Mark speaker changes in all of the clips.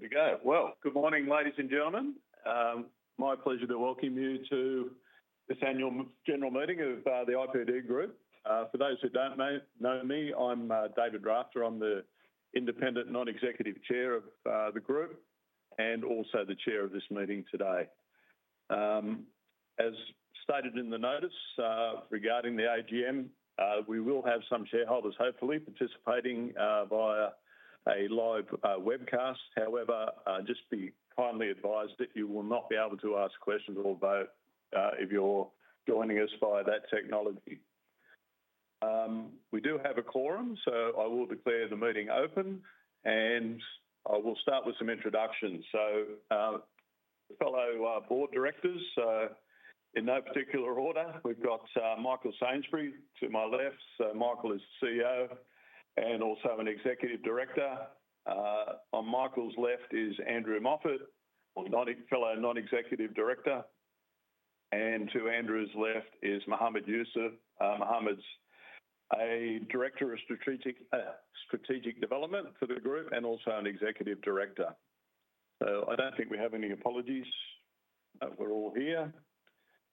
Speaker 1: Good to go. Good morning, ladies and gentlemen. My pleasure to welcome you to this annual general meeting of the IPD Group. For those who don't know me, I'm David Rafter. I'm the independent, non-executive chair of the group and also the chair of this meeting today. As stated in the notice regarding the AGM, we will have some shareholders, hopefully, participating via a live webcast. However, just be kindly advised that you will not be able to ask questions or vote if you're joining us via that technology. We do have a quorum, so I will declare the meeting open, and I will start with some introductions. Fellow board directors, in no particular order, we've got Michael Sainsbury to my left. Michael is CEO and also an executive director. On Michael's left is Andrew Moffat, fellow non-executive director. To Andrew's left is Mohamed Yoosuff. Mohamed's a Director of Strategic Development for the group and also an Executive Director. So, I don't think we have any apologies. We're all here.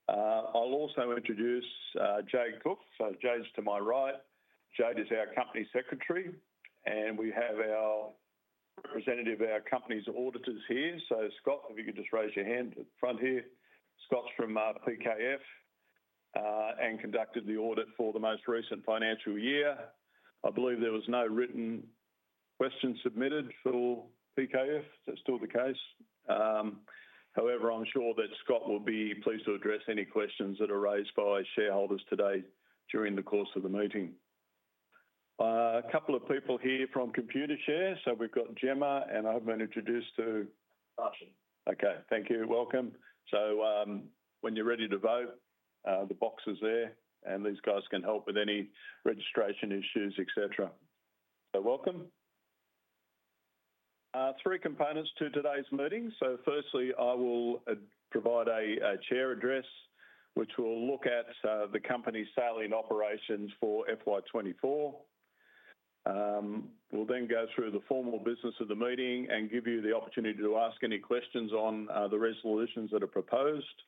Speaker 1: I'll also introduce Jade Cook. So, Jade's to my right. Jade is our Company Secretary, and we have our representative, our company's auditors here. So, Scott, if you could just raise your hand at the front here. Scott's from PKF and conducted the audit for the most recent financial year. I believe there was no written question submitted for PKF. Is that still the case? However, I'm sure that Scott will be pleased to address any questions that are raised by shareholders today during the course of the meeting. A couple of people here from Computershare. So, we've got Gemma, and I've been introduced to. Archer. Okay. Thank you. Welcome. So, when you're ready to vote, the box is there, and these guys can help with any registration issues, etc. So, welcome. Three components to today's meeting. So, firstly, I will provide a Chair's address, which will look at the company's sales and operations for FY24. We'll then go through the formal business of the meeting and give you the opportunity to ask any questions on the resolutions that are proposed.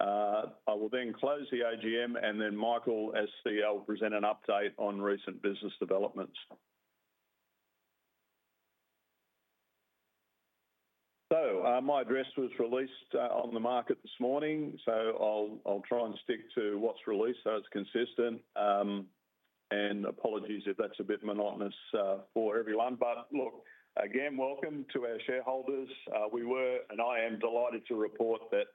Speaker 1: I will then close the AGM, and then Michael, CEO, will present an update on recent business developments. So, my address was released on the market this morning. So, I'll try and stick to what's released, so it's consistent. And apologies if that's a bit monotonous for everyone. But look, again, welcome to our shareholders. We were, and I am delighted to report that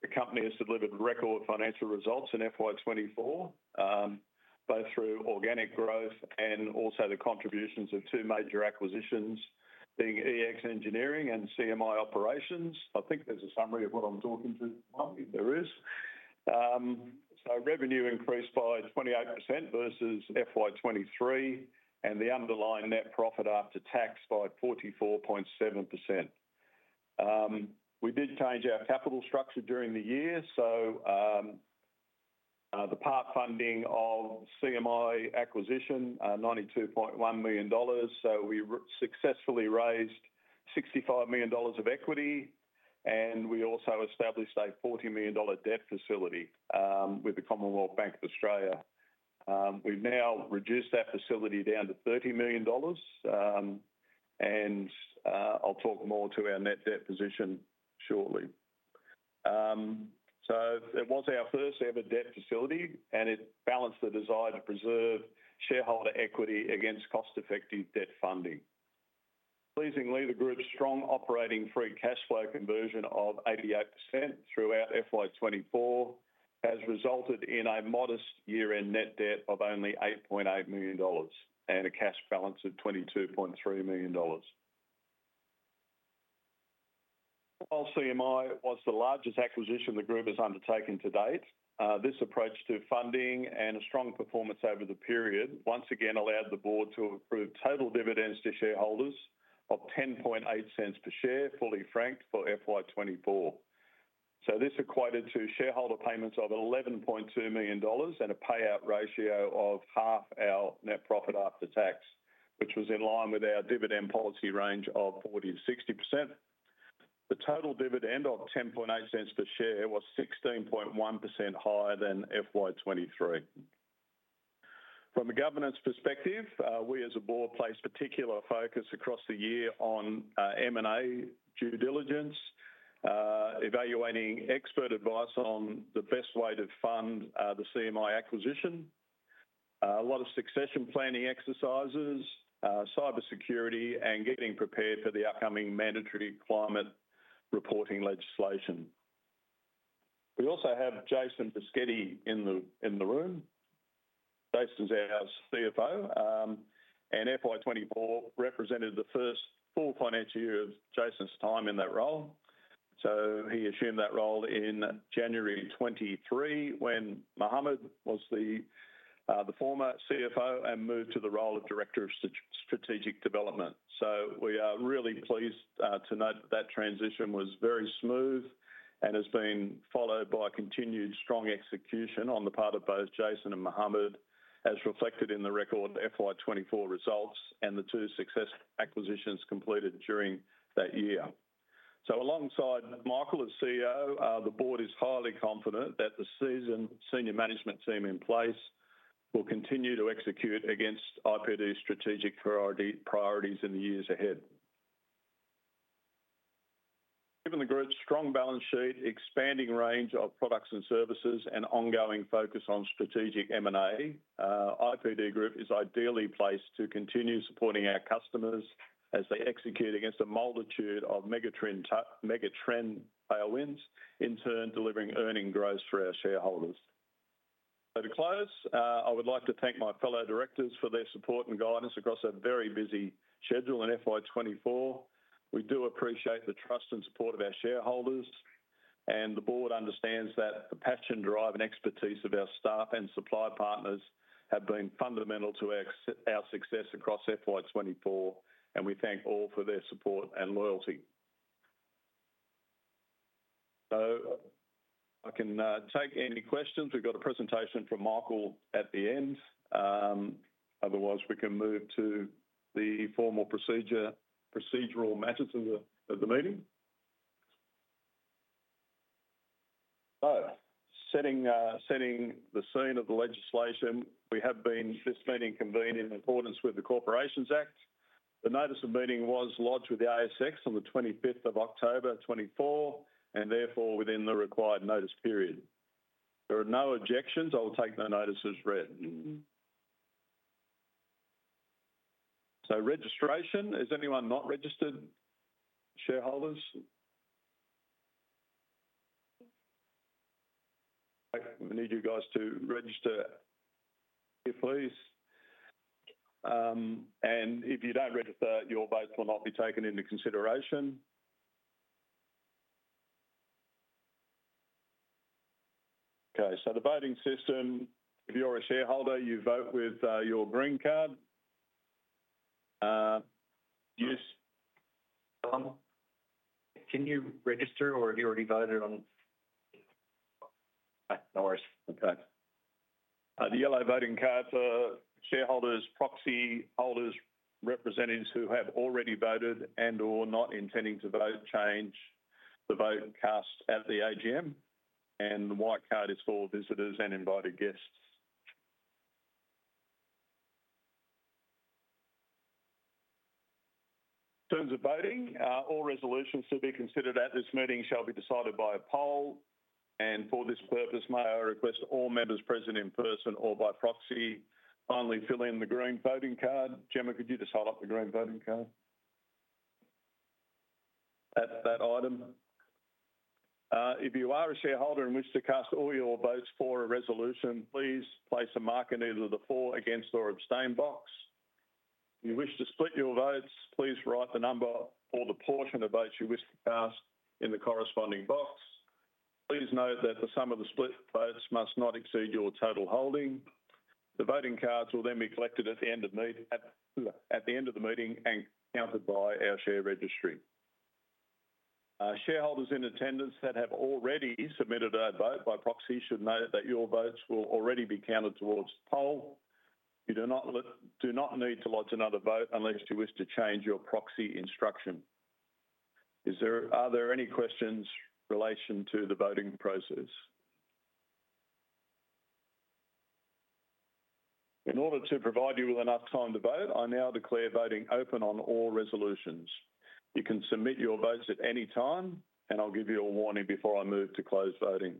Speaker 1: the company has delivered record financial results in FY24, both through organic growth and also the contributions of two major acquisitions, being EX Engineering and CMI Operations. I think there's a summary of what I'm talking to, if there is. So, revenue increased by 28% versus FY23, and the underlying net profit after tax by 44.7%. We did change our capital structure during the year. So, the part funding of CMI acquisition, $92.1 million. So, we successfully raised $65 million of equity, and we also established a $40 million debt facility with the Commonwealth Bank of Australia. We've now reduced that facility down to $30 million, and I'll talk more to our net debt position shortly. So, it was our first-ever debt facility, and it balanced the desire to preserve shareholder equity against cost-effective debt funding. Pleasingly, the group's strong operating free cash flow conversion of 88% throughout FY24 has resulted in a modest year-end net debt of only 8.8 million dollars and a cash balance of 22.3 million dollars. While CMI was the largest acquisition the group has undertaken to date, this approach to funding and a strong performance over the period once again allowed the board to approve total dividends to shareholders of 0.108 per share, fully franked, for FY24. So, this equated to shareholder payments of 11.2 million dollars and a payout ratio of half our net profit after tax, which was in line with our dividend policy range of 40%-60%. The total dividend of 0.108 per share was 16.1% higher than FY23. From a governance perspective, we as a board placed particular focus across the year on M&A due diligence, evaluating expert advice on the best way to fund the CMI acquisition, a lot of succession planning exercises, cybersecurity, and getting prepared for the upcoming mandatory climate reporting legislation. We also have Jason Boschetti in the room. Jason's our CFO, and FY24 represented the first full financial year of Jason's time in that role. So, he assumed that role in January 2023 when Mohamed was the former CFO and moved to the role of Director of Strategic Development. So, we are really pleased to note that that transition was very smooth and has been followed by continued strong execution on the part of both Jason and Mohamed, as reflected in the record FY24 results and the two successful acquisitions completed during that year. Alongside Michael as CEO, the board is highly confident that the seasoned senior management team in place will continue to execute against IPD's strategic priorities in the years ahead. Given the group's strong balance sheet, expanding range of products and services, and ongoing focus on strategic M&A, IPD Group is ideally placed to continue supporting our customers as they execute against a multitude of megatrend tailwinds, in turn delivering earnings growth for our shareholders. To close, I would like to thank my fellow directors for their support and guidance across a very busy schedule in FY24. We do appreciate the trust and support of our shareholders, and the board understands that the passion, drive, and expertise of our staff and supply partners have been fundamental to our success across FY24, and we thank all for their support and loyalty. I can take any questions. We've got a presentation from Michael at the end. Otherwise, we can move to the formal procedural matters of the meeting. So, setting the scene of the legislation, we have been this meeting convened in accordance with the Corporations Act. The notice of meeting was lodged with the ASX on the 25th of October 2024, and therefore within the required notice period. There are no objections. I will take no notices read. So, registration. Is anyone not registered, shareholders? I need you guys to register, please. And if you don't register, your votes will not be taken into consideration. Okay. So, the voting system, if you're a shareholder, you vote with your green card. Yoosuff. Can you register, or have you already voted on? Okay. No worries. Okay. The yellow voting card for shareholders, proxy holders, representatives who have already voted and/or not intending to vote change the vote cast at the AGM. And the white card is for visitors and invited guests. In terms of voting, all resolutions to be considered at this meeting shall be decided by a poll. And for this purpose, may I request all members present in person or by proxy finally fill in the green voting card? Gemma, could you just hold up the green voting card? That item. If you are a shareholder and wish to cast all your votes for a resolution, please place a mark in either the for, against, or abstain box. If you wish to split your votes, please write the number or the portion of votes you wish to cast in the corresponding box. Please note that the sum of the split votes must not exceed your total holding. The voting cards will then be collected at the end of the meeting and counted by our share registry. Shareholders in attendance that have already submitted a vote by proxy should note that your votes will already be counted towards the poll. You do not need to lodge another vote unless you wish to change your proxy instruction. Are there any questions in relation to the voting process? In order to provide you with enough time to vote, I now declare voting open on all resolutions. You can submit your votes at any time, and I'll give you a warning before I move to close voting.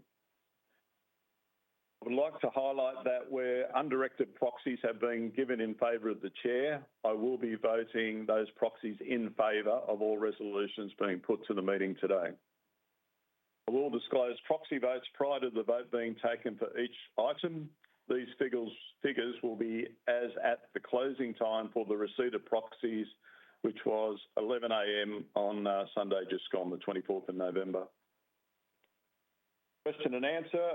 Speaker 1: I would like to highlight that where undirected proxies have been given in favor of the chair, I will be voting those proxies in favor of all resolutions being put to the meeting today. I will disclose proxy votes prior to the vote being taken for each item. These figures will be as at the closing time for the receipt of proxies, which was 11:00 A.M. on Sunday just gone, the 24th of November. Question and Answer.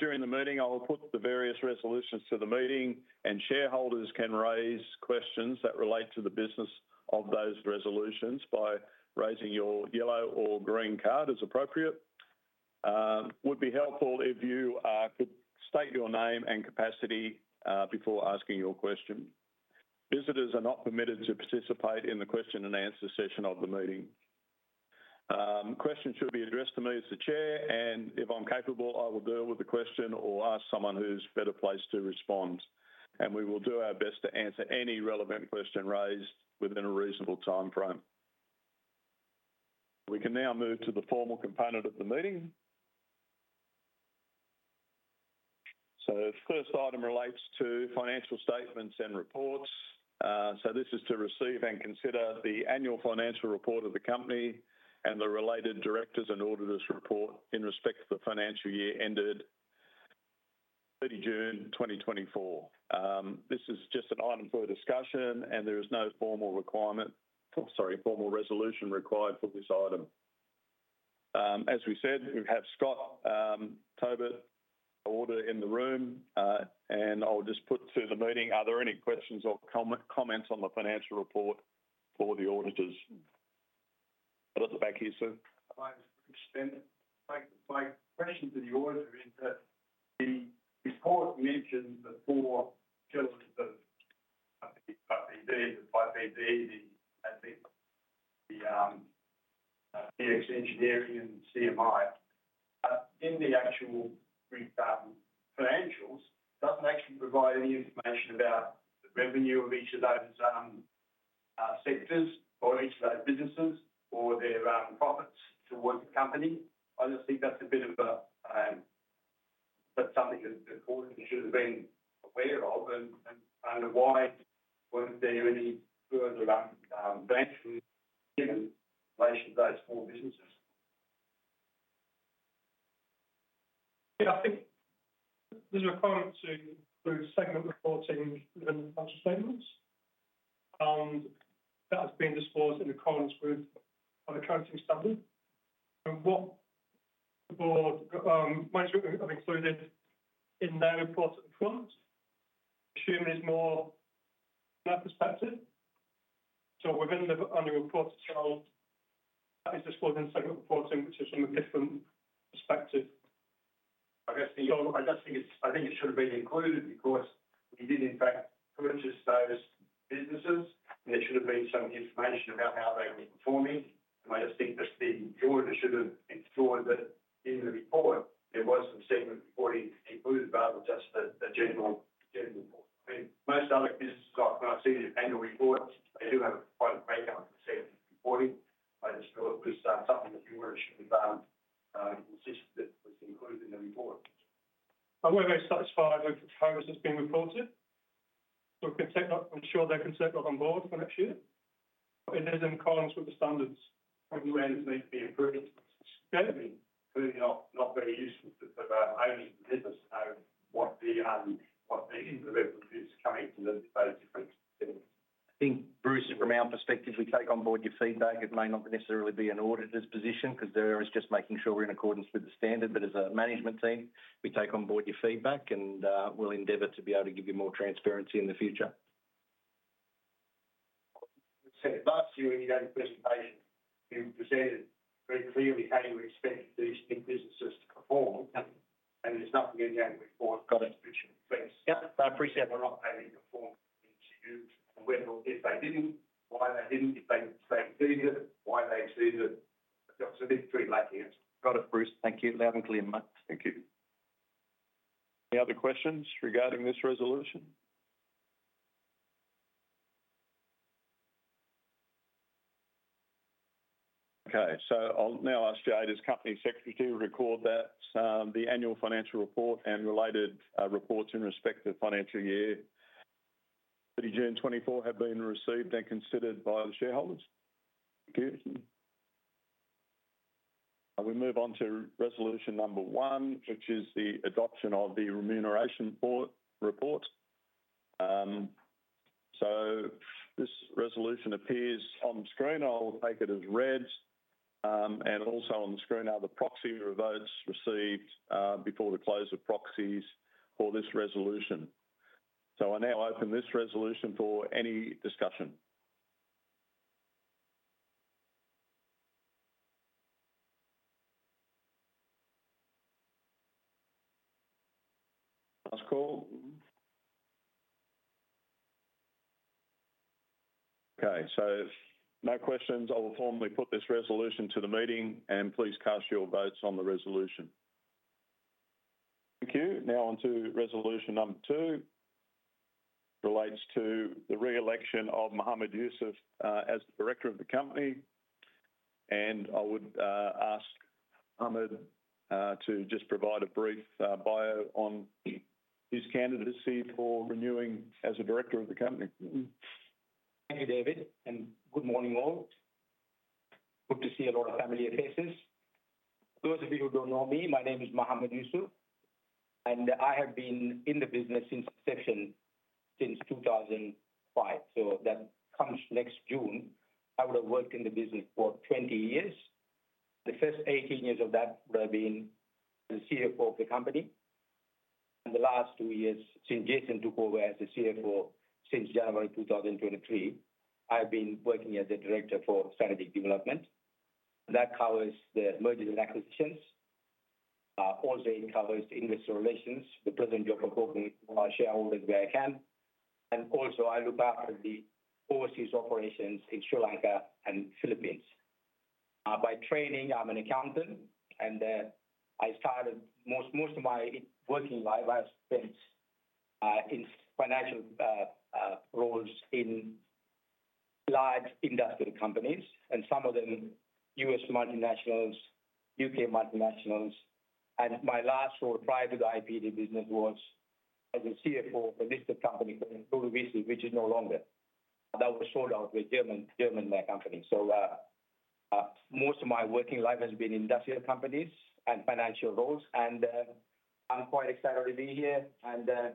Speaker 1: During the meeting, I will put the various resolutions to the meeting, and shareholders can raise questions that relate to the business of those resolutions by raising your yellow or green card as appropriate. It would be helpful if you could state your name and capacity before asking your question. Visitors are not permitted to participate in the question and answer session of the meeting. Questions should be addressed to me as the Chair, and if I'm capable, I will deal with the question or ask someone who's better placed to respond, and we will do our best to answer any relevant question raised within a reasonable timeframe. We can now move to the formal component of the meeting, so the first item relates to financial statements and reports, so this is to receive and consider the annual financial report of the company and the related directors' and auditors' report in respect to the financial year ended 30 June 2024. This is just an item for discussion, and there is no formal requirement, sorry, formal resolution required for this item. As we said, we have Scott Tobutt in the room, and I'll just put to the meeting, are there any questions or comments on the financial report for the auditors? I'll put it back here, sir. My question to the auditors is that the report mentions the four pillars of IPD, the IPD, the EX Engineering, and CMI. In the actual financials, doesn't actually provide any information about the revenue of each of those sectors or each of those businesses or their profits towards the company. I just think that's a bit of something that the board should have been aware of, and why weren't there any further financials given in relation to those four businesses?
Speaker 2: Yeah, I think there's a requirement to include segment reporting within the financial statements. That has been disclosed in accordance with the accounting standard. And what the board and management have included in their report at the front section is more from their perspective. So, within the financial statements, that is disclosed in segment reporting, which is from a different perspective. I guess the. So, I just think it should have been included because we did, in fact, purchase those businesses, and there should have been some information about how they were performing. And I just think that the auditors should have ensured that in the report, there was some segment reporting included rather than just the general report. I mean, most other businesses, when I see the annual report, they do have quite a breakup in the segment reporting. I just thought it was something that you should have insisted that was included in the report. I'm very, very satisfied with how this has been reported. We'll ensure their consent not on board for next year. It is in accordance with the standards. The plans need to be approved. It's clearly not very useful for our own business to know what the revenue is coming from those different things.
Speaker 3: I think, Bruce, from our perspective, we take on board your feedback. It may not necessarily be an auditor's position because there is just making sure we're in accordance with the standard. But as a management team, we take on board your feedback, and we'll endeavor to be able to give you more transparency in the future. Last year, in your presentation, you presented very clearly how you expect these new businesses to perform, and there's nothing in the annual report that's sufficient.
Speaker 4: Got it. Yep. I appreciate that. They're not perfectly performing in the new. And whether or if they didn't, why they didn't, if they exceeded it, why they exceeded it, that's a bit too lacking.
Speaker 3: Got it, Bruce. Thank you. Loud and clear, Matt.
Speaker 1: Thank you. Any other questions regarding this resolution? Okay. So, I'll now ask Jade, as Company Secretary, to record that the annual financial report and related reports in respect to the financial year 30 June 2024 have been received and considered by the shareholders. Thank you. We move on to resolution number one, which is the adoption of the remuneration report. So, this resolution appears on screen. I'll take it as read. And also on the screen are the proxy votes received before the close of proxies for this resolution. So, I now open this resolution for any discussion. Last call. Okay. So, no questions. I will formally put this resolution to the meeting, and please cast your votes on the resolution. Thank you. Now on to resolution number two, relates to the re-election of Mohamed Yoosuff as the director of the company. I would ask Mohamed to just provide a brief bio on his candidacy for renewing as a director of the company.
Speaker 5: Thank you, David, and good morning, all. Good to see a lot of familiar faces. Those of you who don't know me, my name is Mohamed Yoosuff, and I have been in the business since 2005. So, that comes next June. I would have worked in the business for 20 years. The first 18 years of that would have been as a CFO of the company. And the last two years, since Jason took over as a CFO, since January 2023, I've been working as a director for strategic development. That covers the mergers and acquisitions. Also, it covers investor relations, the present job of working with our shareholders where I can. And also, I look after the overseas operations in Sri Lanka and Philippines. By training, I'm an accountant, and I started most of my working life. I've spent in financial roles in large industrial companies, and some of them U.S. multinationals, U.K. multinationals. And my last role prior to the IPD business was as a CFO for a listed company called Tutt Bryant Group, which is no longer. That was sold out by German company. So, most of my working life has been in industrial companies and financial roles, and I'm quite excited to be here, and I'm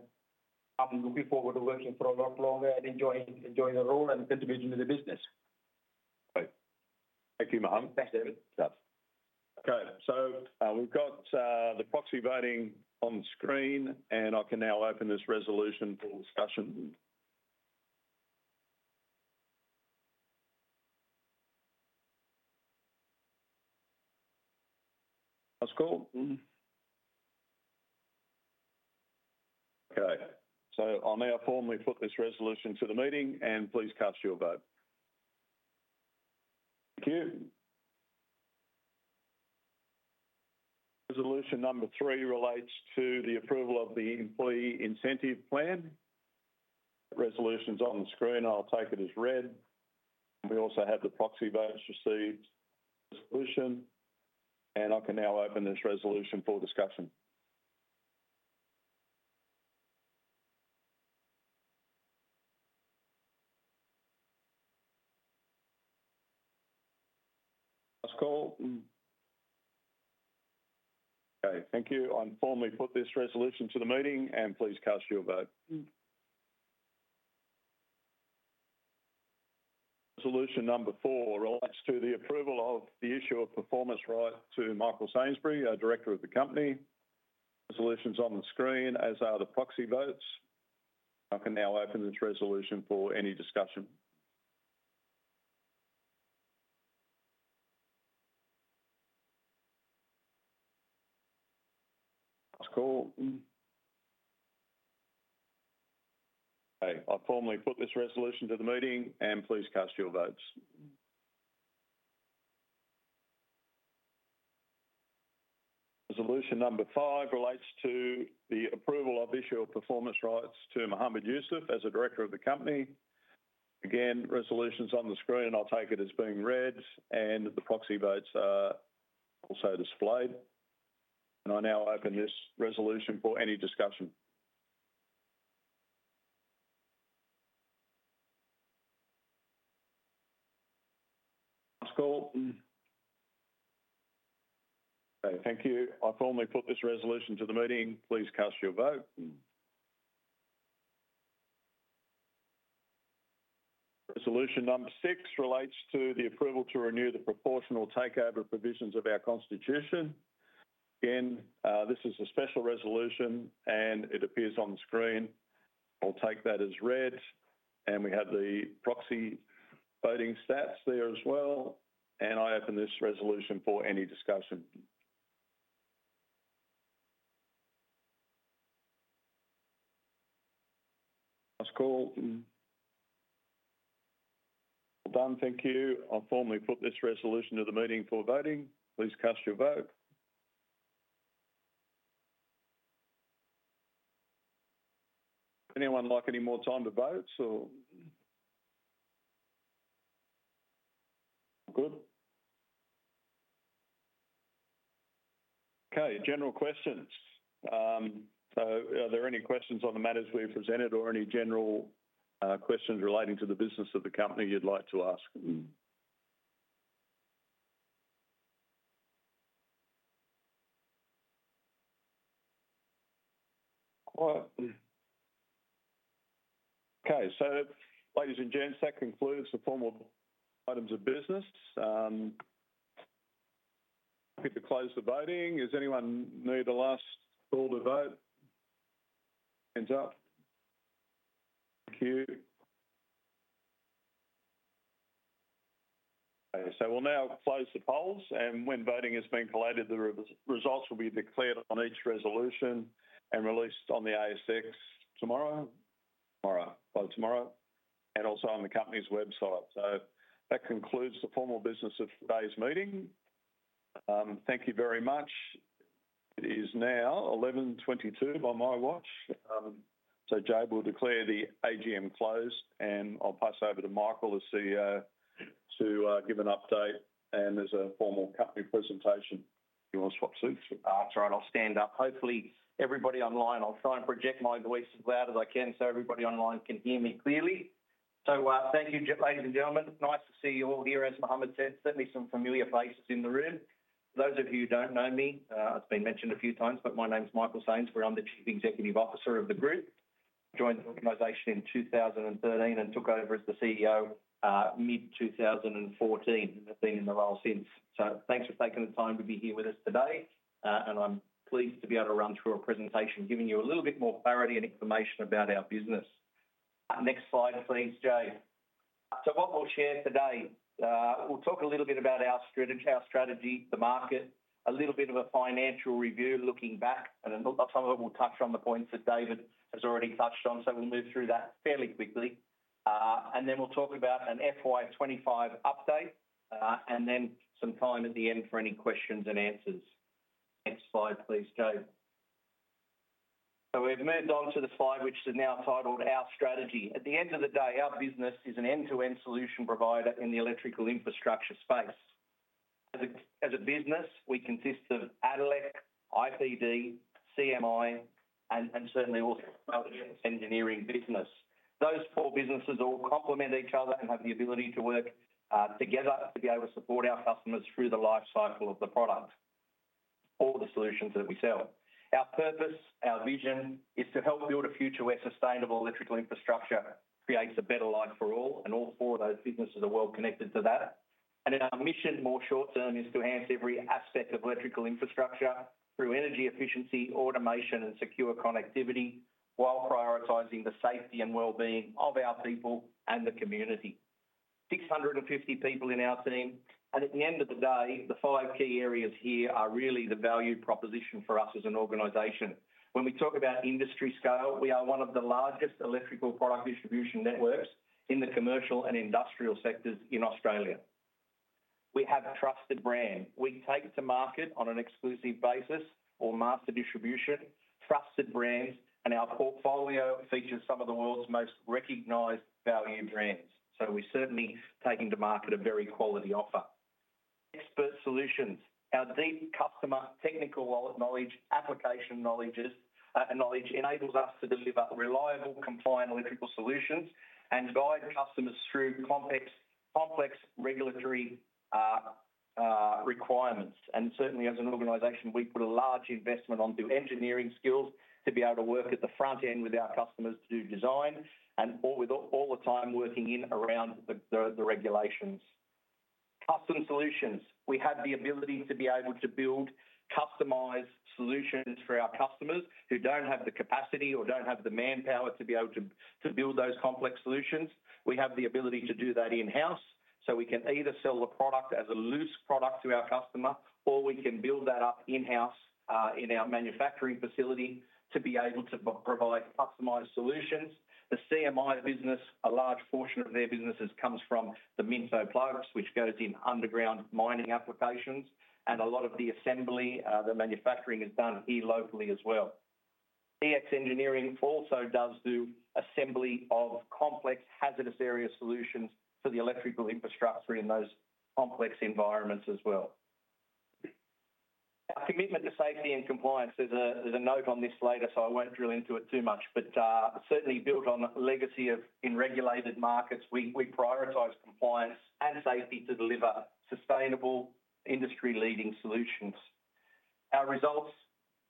Speaker 5: looking forward to working for a lot longer and enjoying the role and contributing to the business.
Speaker 1: Great. Thank you, Mohamed.
Speaker 3: Thanks, David.
Speaker 1: Okay. So, we've got the proxy voting on the screen, and I can now open this resolution for discussion. Last call. Okay. So, I may have formally put this resolution to the meeting, and please cast your vote. Thank you. Resolution number three relates to the approval of the employee incentive plan. Resolution's on the screen. I'll take it as read. We also have the proxy votes received resolution, and I can now open this resolution for discussion. Last call. Okay. Thank you. I've formally put this resolution to the meeting, and please cast your vote. Resolution number four relates to the approval of the issue of performance rights to Michael Sainsbury, our director of the company. Resolution's on the screen, as are the proxy votes. I can now open this resolution for any discussion. Last call. Okay. I've formally put this resolution to the meeting, and please cast your votes. Resolution number five relates to the approval of the issue of performance rights to Mohamed Yoosuff as a director of the company. Again, resolution's on the screen, and I'll take it as being read, and the proxy votes are also displayed, and I now open this resolution for any discussion. Last call. Okay. Thank you. I've formally put this resolution to the meeting. Please cast your vote. Resolution number six relates to the approval to renew the proportional takeover provisions of our constitution. Again, this is a special resolution, and it appears on the screen. I'll take that as read. And we have the proxy voting stats there as well, and I open this resolution for any discussion. Last call, well done. Thank you. I've formally put this resolution to the meeting for voting. Please cast your vote. Anyone like any more time to vote, or? All good? Okay. General questions. So, are there any questions on the matters we've presented, or any general questions relating to the business of the company you'd like to ask? All right. Okay. So, ladies and gents, that concludes the formal items of business. Happy to close the voting. Is anyone near the last call to vote? Hands up. Thank you. Okay. So, we'll now close the polls, and when voting has been collated, the results will be declared on each resolution and released on the ASX tomorrow. Tomorrow. By tomorrow. And also on the company's website. So, that concludes the formal business of today's meeting. Thank you very much. It is now 11:22 A.M. by my watch. So, Jade will declare the AGM closed, and I'll pass over to Michael as CEO to give an update and as a formal company presentation. Do you want to swap seats?
Speaker 5: That's right. I'll stand up. Hopefully, everybody online, I'll try and project my voice as loud as I can so everybody online can hear me clearly. So, thank you, ladies and gentlemen. Nice to see you all here as Mohamed said. Certainly, some familiar faces in the room. For those of you who don't know me, it's been mentioned a few times, but my name's Michael Sainsbury. I'm the Chief Executive Officer of the group. I joined the organization in 2013 and took over as the CEO mid-2014, and I've been in the role since. So, thanks for taking the time to be here with us today, and I'm pleased to be able to run through a presentation giving you a little bit more clarity and information about our business. Next slide, please, Jade. So, what we'll share today, we'll talk a little bit about our strategy, the market, a little bit of a financial review looking back, and some of it we'll touch on the points that David has already touched on. So, we'll move through that fairly quickly. And then we'll talk about an FY25 update, and then some time at the end for any questions and answers. Next slide, please, Jade. So, we've moved on to the slide, which is now titled Our Strategy. At the end of the day, our business is an end-to-end solution provider in the electrical infrastructure space. As a business, we consist of Addelec, IPD, CMI, and certainly also our engineering business. Those four businesses all complement each other and have the ability to work together to be able to support our customers through the life cycle of the product or the solutions that we sell. Our purpose, our vision, is to help build a future where sustainable electrical infrastructure creates a better life for all, and all four of those businesses are well connected to that, and our mission, more short-term, is to enhance every aspect of electrical infrastructure through energy efficiency, automation, and secure connectivity while prioritizing the safety and well-being of our people and the community. 650 people in our team, and at the end of the day, the five key areas here are really the value proposition for us as an organization. When we talk about industry scale, we are one of the largest electrical product distribution networks in the commercial and industrial sectors in Australia. We have a trusted brand. We take to market on an exclusive basis or master distribution, trusted brands, and our portfolio features some of the world's most recognized value brands. So, we're certainly taking to market a very quality offer. Expert solutions. Our deep customer technical knowledge, application knowledge, enables us to deliver reliable, compliant electrical solutions and guide customers through complex regulatory requirements. And certainly, as an organization, we put a large investment onto engineering skills to be able to work at the front end with our customers to do design and all the time working in around the regulations. Custom solutions. We have the ability to be able to build customized solutions for our customers who don't have the capacity or don't have the manpower to be able to build those complex solutions. We have the ability to do that in-house. So, we can either sell the product as a loose product to our customer, or we can build that up in-house in our manufacturing facility to be able to provide customized solutions. The CMI business, a large portion of their businesses comes from the Minto Plugs, which goes in underground mining applications, and a lot of the assembly, the manufacturing is done here locally as well. EX Engineering also does do assembly of complex hazardous area solutions for the electrical infrastructure in those complex environments as well. Our commitment to safety and compliance, there's a note on this later, so I won't drill into it too much, but certainly built on legacy of in regulated markets, we prioritize compliance and safety to deliver sustainable industry-leading solutions. Our results,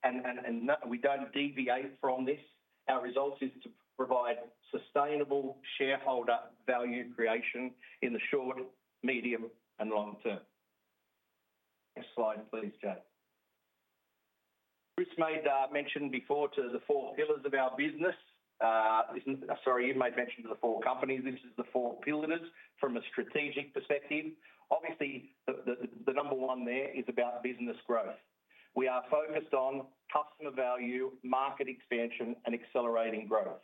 Speaker 5: and we don't deviate from this, our results is to provide sustainable shareholder value creation in the short, medium, and long term. Next slide, please, Jade. Chris made mention before to the four pillars of our business. Sorry, you made mention to the four companies. This is the four pillars from a strategic perspective. Obviously, the number one there is about business growth. We are focused on customer value, market expansion, and accelerating growth.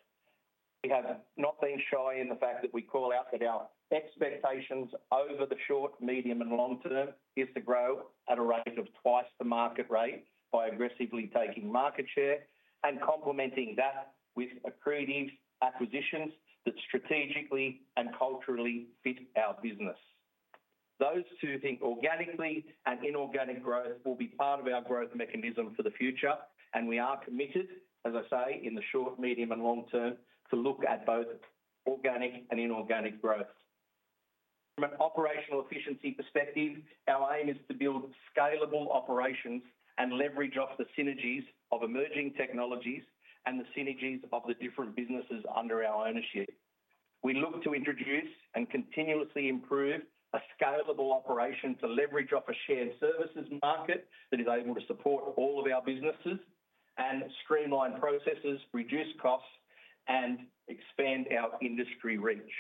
Speaker 5: We have not been shy in the fact that we call out that our expectations over the short, medium, and long term is to grow at a rate of twice the market rate by aggressively taking market share and complementing that with accretive acquisitions that strategically and culturally fit our business. Those who think organically and inorganic growth will be part of our growth mechanism for the future, and we are committed, as I say, in the short, medium, and long term to look at both organic and inorganic growth. From an operational efficiency perspective, our aim is to build scalable operations and leverage off the synergies of emerging technologies and the synergies of the different businesses under our ownership. We look to introduce and continuously improve a scalable operation to leverage off a shared services market that is able to support all of our businesses and streamline processes, reduce costs, and expand our industry reach.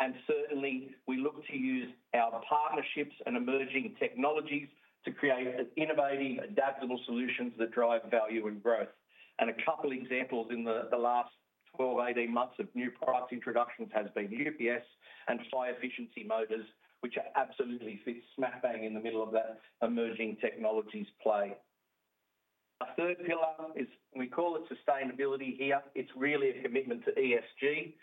Speaker 5: And certainly, we look to use our partnerships and emerging technologies to create innovative, adaptable solutions that drive value and growth. And a couple of examples in the last 12, 18 months of new product introductions has been UPS and high-efficiency motors, which absolutely fit smack bang in the middle of that emerging technologies play. Our third pillar is, we call it sustainability here. It's really a commitment to ESG.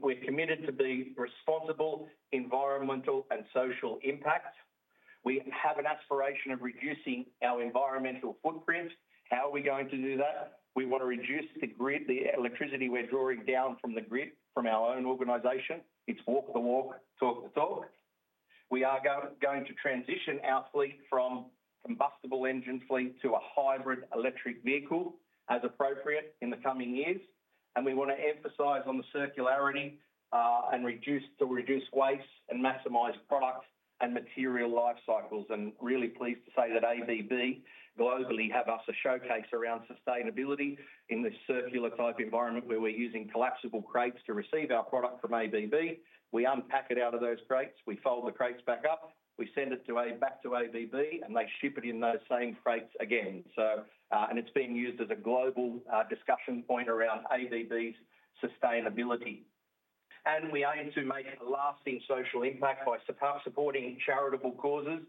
Speaker 5: We're committed to being responsible, environmental, and social impact. We have an aspiration of reducing our environmental footprint. How are we going to do that? We want to reduce the electricity we're drawing down from the grid from our own organization. It's walk the walk, talk the talk. We are going to transition our fleet from combustion engine fleet to a hybrid electric vehicle as appropriate in the coming years, and we want to emphasize on the circularity and reduce waste and maximize product and material life cycles. And really pleased to say that ABB globally has us as a showcase around sustainability in this circular type environment where we're using collapsible crates to receive our product from ABB. We unpack it out of those crates, we fold the crates back up, we send it back to ABB, and they ship it in those same crates again. So, and it's being used as a global discussion point around ABB's sustainability. And we aim to make a lasting social impact by supporting charitable causes.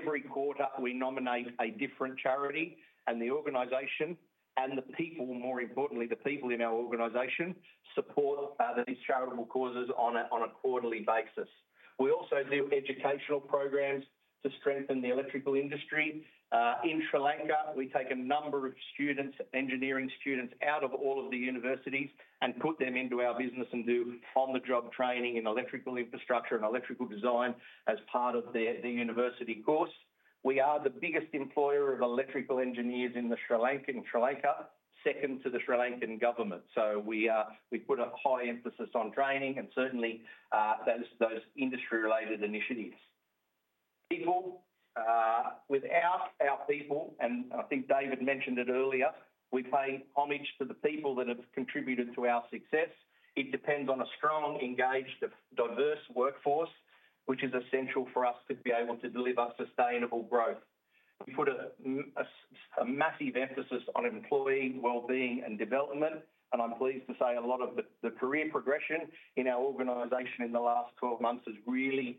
Speaker 5: Every quarter, we nominate a different charity, and the organization and the people, more importantly, the people in our organization support these charitable causes on a quarterly basis. We also do educational programs to strengthen the electrical industry. In Sri Lanka, we take a number of students, engineering students out of all of the universities and put them into our business and do on-the-job training in electrical infrastructure and electrical design as part of the university course. We are the biggest employer of electrical engineers in Sri Lanka, and Sri Lanka second to the Sri Lankan government. So, we put a high emphasis on training and certainly those industry-related initiatives. People, with our people, and I think David mentioned it earlier, we pay homage to the people that have contributed to our success. It depends on a strong, engaged, diverse workforce, which is essential for us to be able to deliver sustainable growth. We put a massive emphasis on employee well-being and development, and I'm pleased to say a lot of the career progression in our organization in the last 12 months has really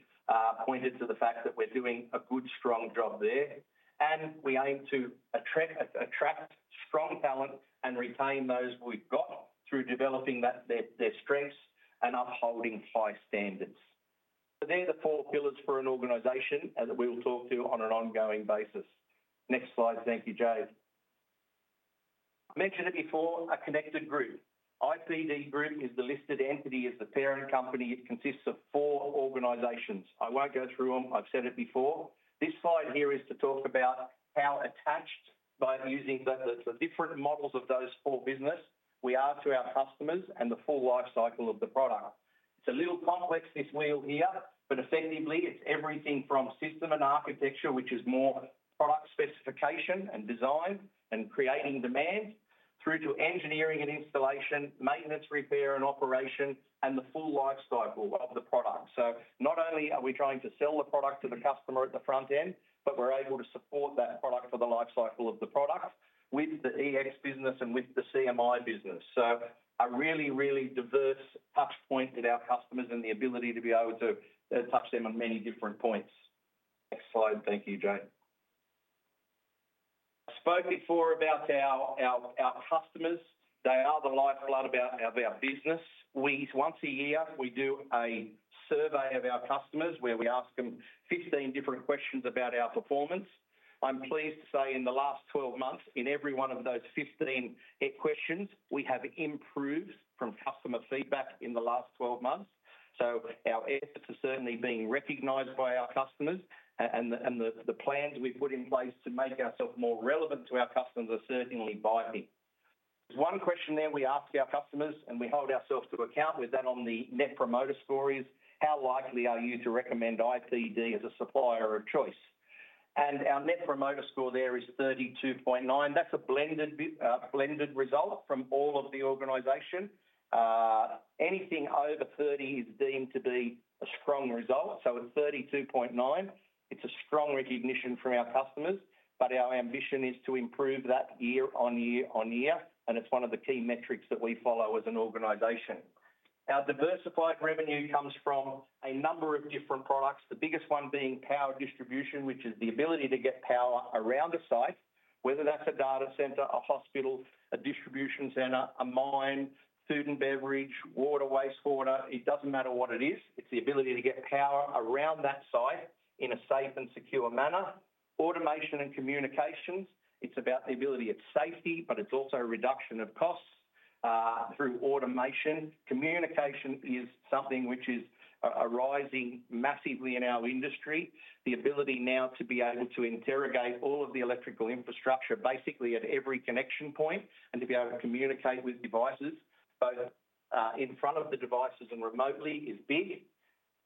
Speaker 5: pointed to the fact that we're doing a good, strong job there, and we aim to attract strong talent and retain those we've got through developing their strengths and upholding high standards, so they're the four pillars for an organization that we will talk to on an ongoing basis. Next slide. Thank you, Jade. I mentioned it before, a connected group. IPD Group is the listed entity as the parent company. It consists of four organizations. I won't go through them. I've said it before. This slide here is to talk about how attached we are to our customers by using the different models of those four businesses and the full life cycle of the product. It's a little complex, this wheel here, but effectively, it's everything from system and architecture, which is more product specification and design and creating demand, through to engineering and installation, maintenance, repair, and operation, and the full life cycle of the product. So, not only are we trying to sell the product to the customer at the front end, but we're able to support that product for the life cycle of the product with the EX business and with the CMI business. So, a really, really diverse touchpoint with our customers and the ability to be able to touch them on many different points. Next slide. Thank you, Jade. I spoke before about our customers. They are the lifeblood of our business. Once a year, we do a survey of our customers where we ask them 15 different questions about our performance. I'm pleased to say in the last 12 months, in every one of those 15 questions, we have improved from customer feedback in the last 12 months. So, our efforts are certainly being recognized by our customers, and the plans we've put in place to make ourselves more relevant to our customers are certainly biting. There's one question there we ask our customers, and we hold ourselves to account with that on the Net Promoter Score is, how likely are you to recommend IPD as a supplier of choice? And our Net Promoter Score there is 32.9. That's a blended result from all of the organization. Anything over 30 is deemed to be a strong result. So, at 32.9, it's a strong recognition from our customers, but our ambition is to improve that year on year on year, and it's one of the key metrics that we follow as an organization. Our diversified revenue comes from a number of different products, the biggest one being power distribution, which is the ability to get power around a site, whether that's a data center, a hospital, a distribution center, a mine, food and beverage, water, wastewater. It doesn't matter what it is. It's the ability to get power around that site in a safe and secure manner. Automation and communications. It's about the ability of safety, but it's also a reduction of costs through automation. Communication is something which is arising massively in our industry. The ability now to be able to interrogate all of the electrical infrastructure, basically at every connection point, and to be able to communicate with devices, both in front of the devices and remotely, is big.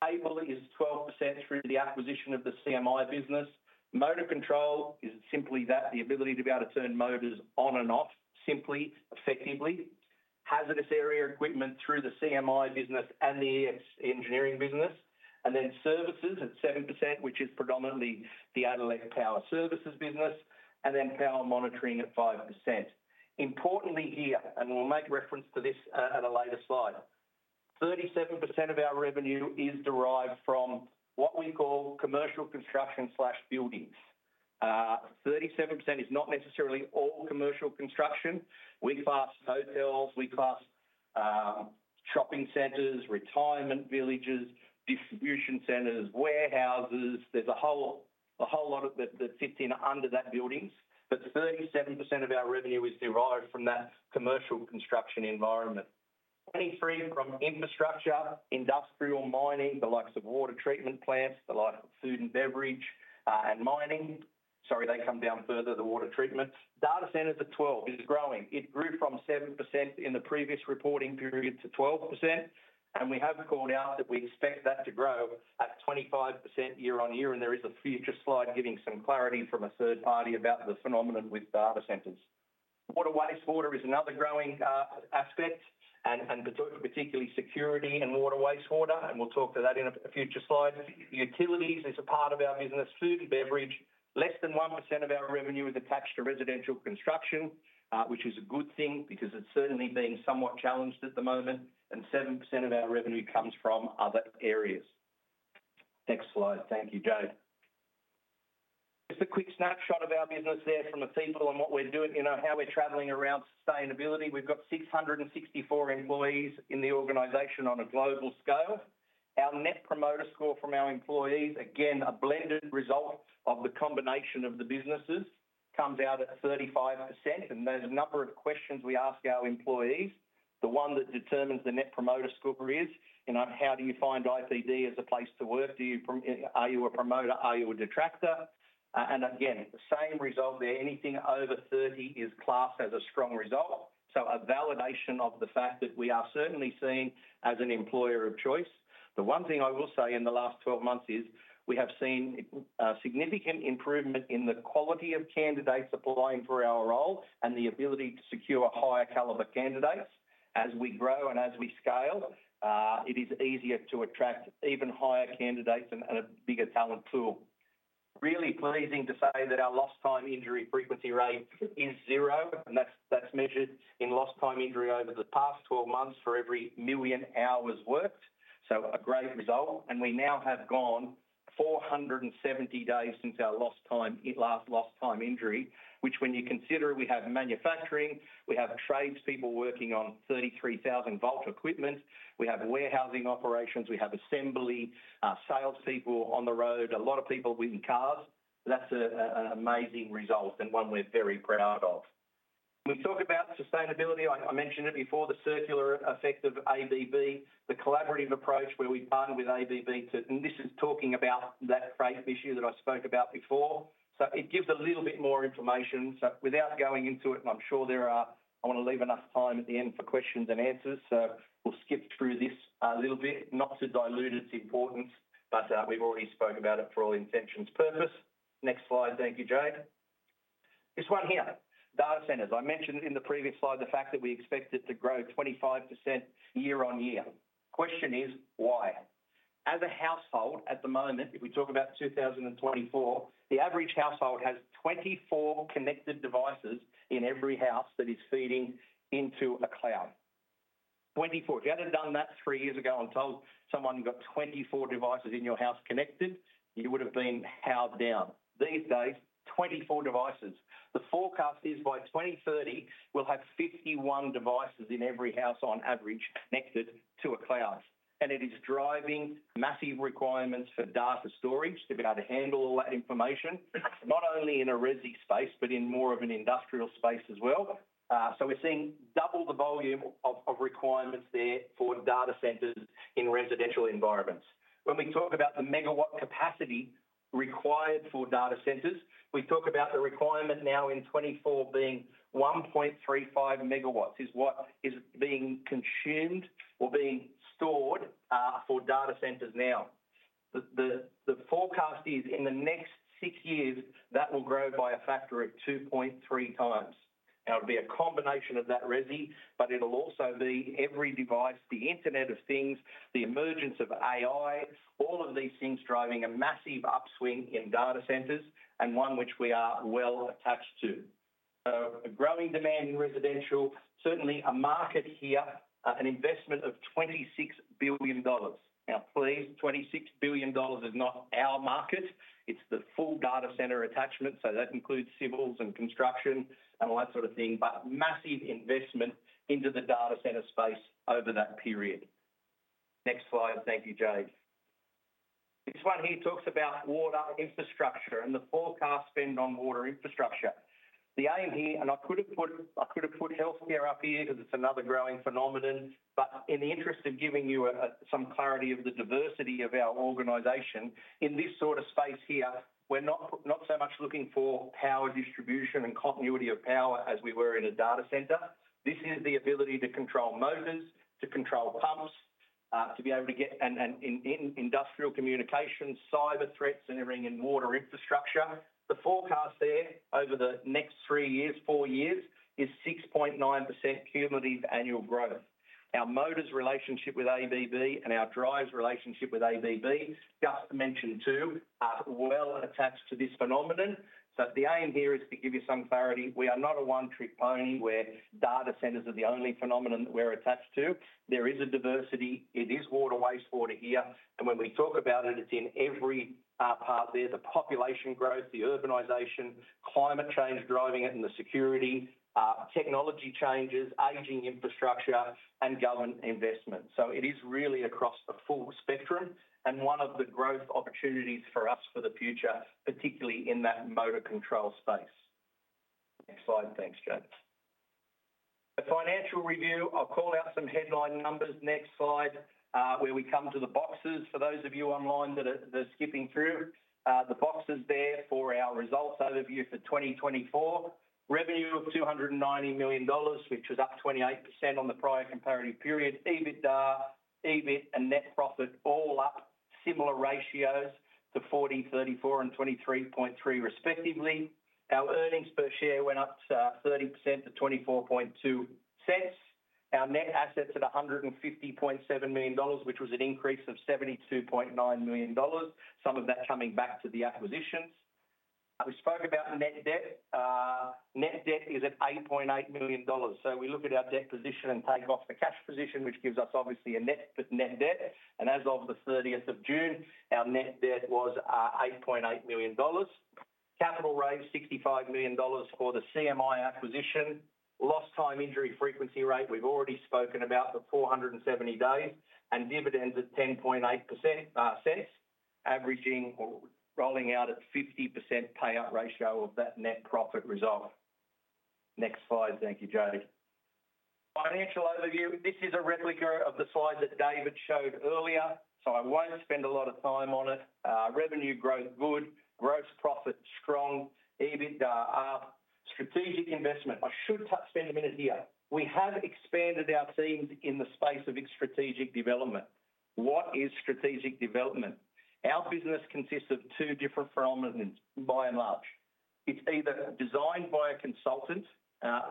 Speaker 5: Cable is 12% through the acquisition of the CMI business. Motor control is simply that, the ability to be able to turn motors on and off simply, effectively. Hazardous area equipment through the CMI business and the EX Engineering business. And then services at 7%, which is predominantly the Addelec power services business, and then power monitoring at 5%. Importantly here, and we'll make reference to this at a later slide, 37% of our revenue is derived from what we call commercial construction/buildings. 37% is not necessarily all commercial construction. We class hotels, we class shopping centers, retirement villages, distribution centers, warehouses. There's a whole lot that fits in under that buildings, but 37% of our revenue is derived from that commercial construction environment. 23% from infrastructure, industrial mining, the likes of water treatment plants, the likes of food and beverage, and mining. Sorry, they come down further, the water treatment. Data center to 12% is growing. It grew from 7% in the previous reporting period to 12%, and we have called out that we expect that to grow at 25% year on year, and there is a future slide giving some clarity from a third party about the phenomenon with data centers. Water and wastewater is another growing aspect, and particularly security and water and wastewater, and we'll talk to that in a future slide. Utilities is a part of our business. Food and beverage, less than 1% of our revenue is attached to residential construction, which is a good thing because it's certainly being somewhat challenged at the moment, and 7% of our revenue comes from other areas. Next slide. Thank you, Jade. Just a quick snapshot of our business there from a feedback on what we're doing, you know, how we're traveling around sustainability. We've got 664 employees in the organization on a global scale. Our Net Promoter Score from our employees, again, a blended result of the combination of the businesses, comes out at 35%, and there's a number of questions we ask our employees. The one that determines the Net Promoter Score is, you know, how do you find IPD as a place to work? Are you a promoter? Are you a detractor? And again, the same result there. Anything over 30 is classed as a strong result. A validation of the fact that we are certainly seen as an employer of choice. The one thing I will say in the last 12 months is we have seen significant improvement in the quality of candidates applying for our role and the ability to secure higher caliber candidates. As we grow and as we scale, it is easier to attract even higher candidates and a bigger talent pool. Really pleasing to say that our lost time injury frequency rate is zero, and that's measured in lost time injury over the past 12 months for every million hours worked. A great result, and we now have gone 470 days since our lost time injury, which when you consider it, we have manufacturing, we have tradespeople working on 33,000-volt equipment, we have warehousing operations, we have assembly, salespeople on the road, a lot of people in cars. That's an amazing result and one we're very proud of. We talk about sustainability. I mentioned it before, the circular effect of ABB, the collaborative approach where we partner with ABB to, and this is talking about that frame issue that I spoke about before. So, it gives a little bit more information. So, without going into it, and I'm sure there are, I want to leave enough time at the end for questions and answers, so we'll skip through this a little bit, not to dilute its importance, but we've already spoke about it for all intentions' purpose. Next slide. Thank you, Jade. This one here, data centers. I mentioned in the previous slide the fact that we expect it to grow 25% year on year. Question is, why? As a household at the moment, if we talk about 2024, the average household has 24 connected devices in every house that is feeding into a cloud. 24. If you hadn't done that three years ago, I'm told someone got 24 devices in your house connected, you would have been howled down. These days, 24 devices. The forecast is by 2030, we'll have 51 devices in every house on average connected to a cloud. And it is driving massive requirements for data storage to be able to handle all that information, not only in a resi space, but in more of an industrial space as well. So, we're seeing double the volume of requirements there for data centers in residential environments. When we talk about the megawatt capacity required for data centers, we talk about the requirement now in 24 being 1.35 megawatts is what is being consumed or being stored for data centers now. The forecast is in the next six years that will grow by a factor of 2.3 times. Now, it'll be a combination of that resi, but it'll also be every device, the internet of things, the emergence of AI, all of these things driving a massive upswing in data centers and one which we are well attached to. So, a growing demand in residential, certainly a market here, an investment of 26 billion dollars. Now, please, 26 billion dollars is not our market. It's the full data center attachment, so that includes civils and construction and all that sort of thing, but massive investment into the data center space over that period. Next slide. Thank you, Jade. This one here talks about water infrastructure and the forecast spend on water infrastructure. The aim here, and I could have put, I could have put healthcare up here because it's another growing phenomenon, but in the interest of giving you some clarity of the diversity of our organization, in this sort of space here, we're not so much looking for power distribution and continuity of power as we were in a data center. This is the ability to control motors, to control pumps, to be able to get industrial communications, cyber threats and everything in water infrastructure. The forecast there over the next three years, four years, is 6.9% cumulative annual growth. Our motor's relationship with ABB and our drives' relationship with ABB, just to mention two, are well attached to this phenomenon. So, the aim here is to give you some clarity. We are not a one-trick pony where data centers are the only phenomenon that we're attached to. There is a diversity. It is water wastewater here, and when we talk about it, it's in every part there. The population growth, the urbanization, climate change driving it, and the security, technology changes, aging infrastructure, and government investment. So, it is really across the full spectrum and one of the growth opportunities for us for the future, particularly in that motor control space. Next slide. Thanks, Jade. A financial review. I'll call out some headline numbers. Next slide, where we come to the boxes for those of you online that are skipping through. The boxes there for our results overview for 2024. Revenue of 290 million dollars, which was up 28% on the prior comparative period. EBITDA, EBIT, and net profit all up, similar ratios to 40, 34, and 23.3 respectively. Our earnings per share went up to 30% to 0.242. Our net assets at 150.7 million dollars, which was an increase of 72.9 million dollars. Some of that coming back to the acquisitions. We spoke about net debt. Net debt is at 8.8 million dollars. So, we look at our debt position and take off the cash position, which gives us obviously a net debt. As of the 30th of June, our net debt was 8.8 million dollars. Capital raised 65 million dollars for the CMI acquisition. Lost time injury frequency rate, we've already spoken about the 470 days and dividends at 0.108, averaging or rolling out at 50% payout ratio of that net profit result. Next slide. Thank you, Jade. Financial overview. This is a replica of the slide that David showed earlier, so I won't spend a lot of time on it. Revenue growth good, gross profit strong, EBITDA up. Strategic investment. I should spend a minute here. We have expanded our teams in the space of strategic development. What is strategic development? Our business consists of two different phenomena by and large. It's either designed by a consultant,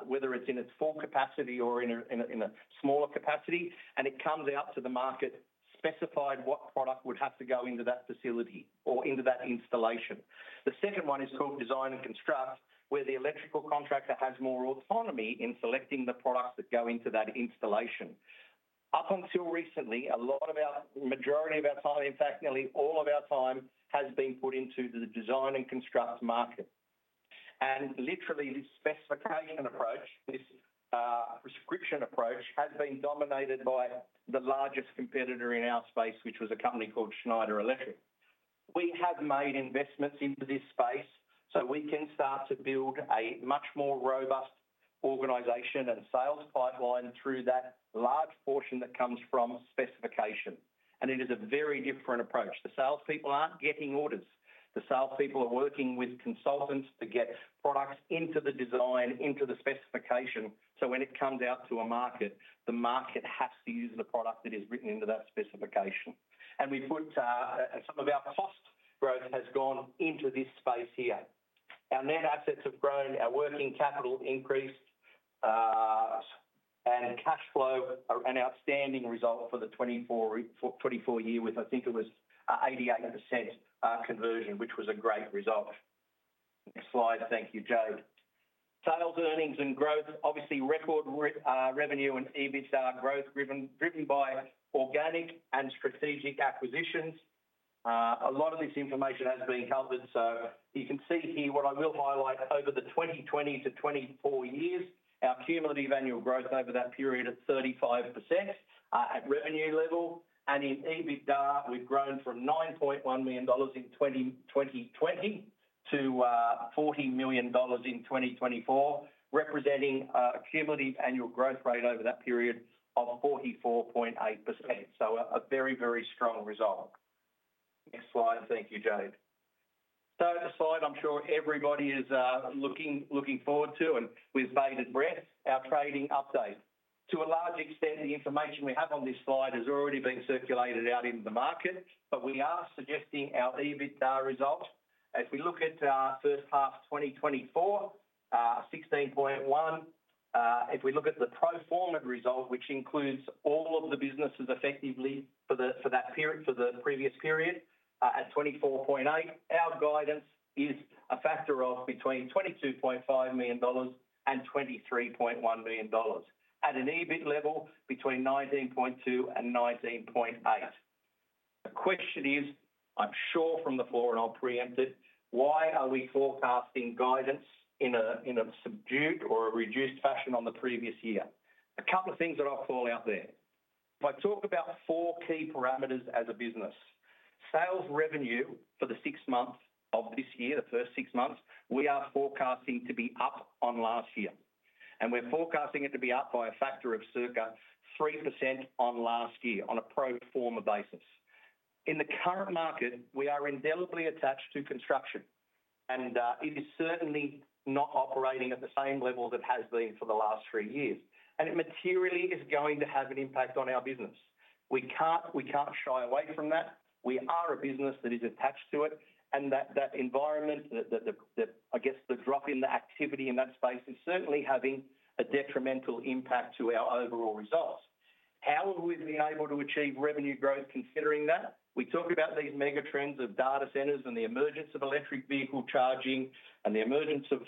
Speaker 5: whether it's in its full capacity or in a smaller capacity, and it comes out to the market specified what product would have to go into that facility or into that installation. The second one is called design and construct, where the electrical contractor has more autonomy in selecting the products that go into that installation. Up until recently, a lot of our, majority of our time, in fact, nearly all of our time has been put into the design and construct market. And literally, this specification approach, this prescription approach has been dominated by the largest competitor in our space, which was a company called Schneider Electric. We have made investments into this space so we can start to build a much more robust organization and sales pipeline through that large portion that comes from specification. And it is a very different approach. The salespeople aren't getting orders. The salespeople are working with consultants to get products into the design, into the specification. So, when it comes out to a market, the market has to use the product that is written into that specification. And we put some of our cost growth has gone into this space here. Our net assets have grown, our working capital increased, and cash flow are an outstanding result for the FY24 year with, I think it was 88% conversion, which was a great result. Next slide. Thank you, Jade. Sales earnings and growth, obviously record revenue and EBITDA growth driven by organic and strategic acquisitions. A lot of this information has been covered, so you can see here what I will highlight over the 2020 to 2024 years. Our cumulative annual growth over that period at 35% at revenue level. And in EBITDA, we've grown from 9.1 million dollars in 2020 to 40 million dollars in 2024, representing a cumulative annual growth rate over that period of 44.8%. So, a very, very strong result. Next slide. Thank you, Jade. So, the slide I'm sure everybody is looking forward to and with bated breath, our trading update. To a large extent, the information we have on this slide has already been circulated out into the market, but we are suggesting our EBITDA result. If we look at first half 2024, 16.1. If we look at the pro forma result, which includes all of the businesses effectively for that period, for the previous period, at 24.8, our guidance is a factor of between 22.5 million dollars and 23.1 million dollars at an EBIT level between 19.2 and 19.8. The question is, I'm sure from the floor and I'll preempt it, why are we forecasting guidance in a subdued or a reduced fashion on the previous year? A couple of things that I'll call out there. If I talk about four key parameters as a business, sales revenue for the six months of this year, the first six months, we are forecasting to be up on last year, and we're forecasting it to be up by a factor of circa 3% on last year on a pro forma basis. In the current market, we are indelibly attached to construction, and it is certainly not operating at the same level that it has been for the last three years, and it materially is going to have an impact on our business. We can't shy away from that. We are a business that is attached to it, and that environment, I guess the drop in the activity in that space is certainly having a detrimental impact to our overall results. How have we been able to achieve revenue growth considering that? We talk about these mega trends of data centers and the emergence of electric vehicle charging and the emergence of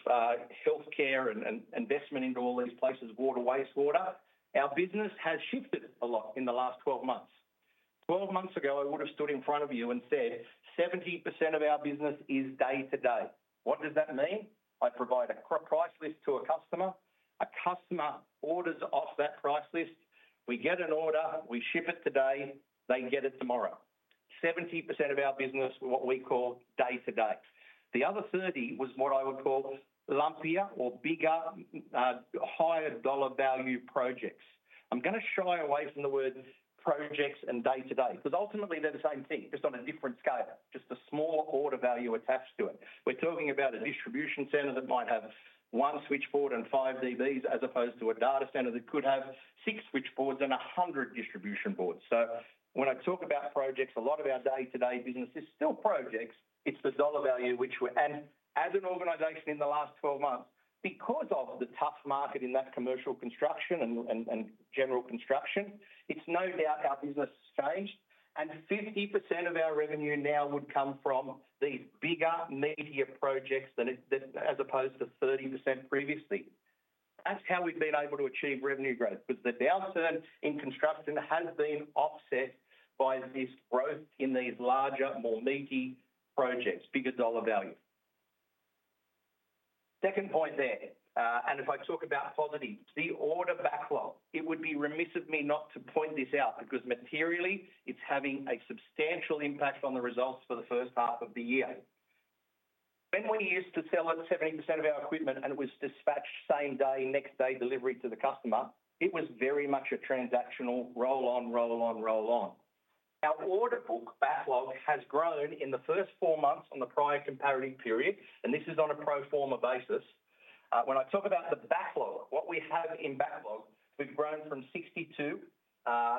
Speaker 5: healthcare and investment into all these places, water, wastewater. Our business has shifted a lot in the last 12 months. 12 months ago, I would have stood in front of you and said, "70% of our business is day-to-day." What does that mean? I provide a price list to a customer. A customer orders off that price list. We get an order. We ship it today. They get it tomorrow. 70% of our business, what we call day-to-day. The other 30% was what I would call lumpier or bigger, higher dollar value projects. I'm going to shy away from the word projects and day-to-day because ultimately they're the same thing, just on a different scale, just a smaller order value attached to it. We're talking about a distribution center that might have one switchboard and five DBs as opposed to a data center that could have six switchboards and 100 distribution boards. So, when I talk about projects, a lot of our day-to-day business is still projects. It's the dollar value, which we're, and as an organization in the last 12 months, because of the tough market in that commercial construction and general construction, it's no doubt our business has changed, and 50% of our revenue now would come from these bigger meatier projects as opposed to 30% previously. That's how we've been able to achieve revenue growth because the downturn in construction has been offset by this growth in these larger, more meaty projects, bigger dollar value. Second point there, and if I talk about positives, the order backlog, it would be remiss of me not to point this out because materially it's having a substantial impact on the results for the first half of the year. When we used to sell at 70% of our equipment and it was dispatched same day, next day delivery to the customer, it was very much a transactional roll on, roll on, roll on. Our order book backlog has grown in the first four months on the prior comparative period, and this is on a pro forma basis. When I talk about the backlog, what we have in backlog, we've grown from 62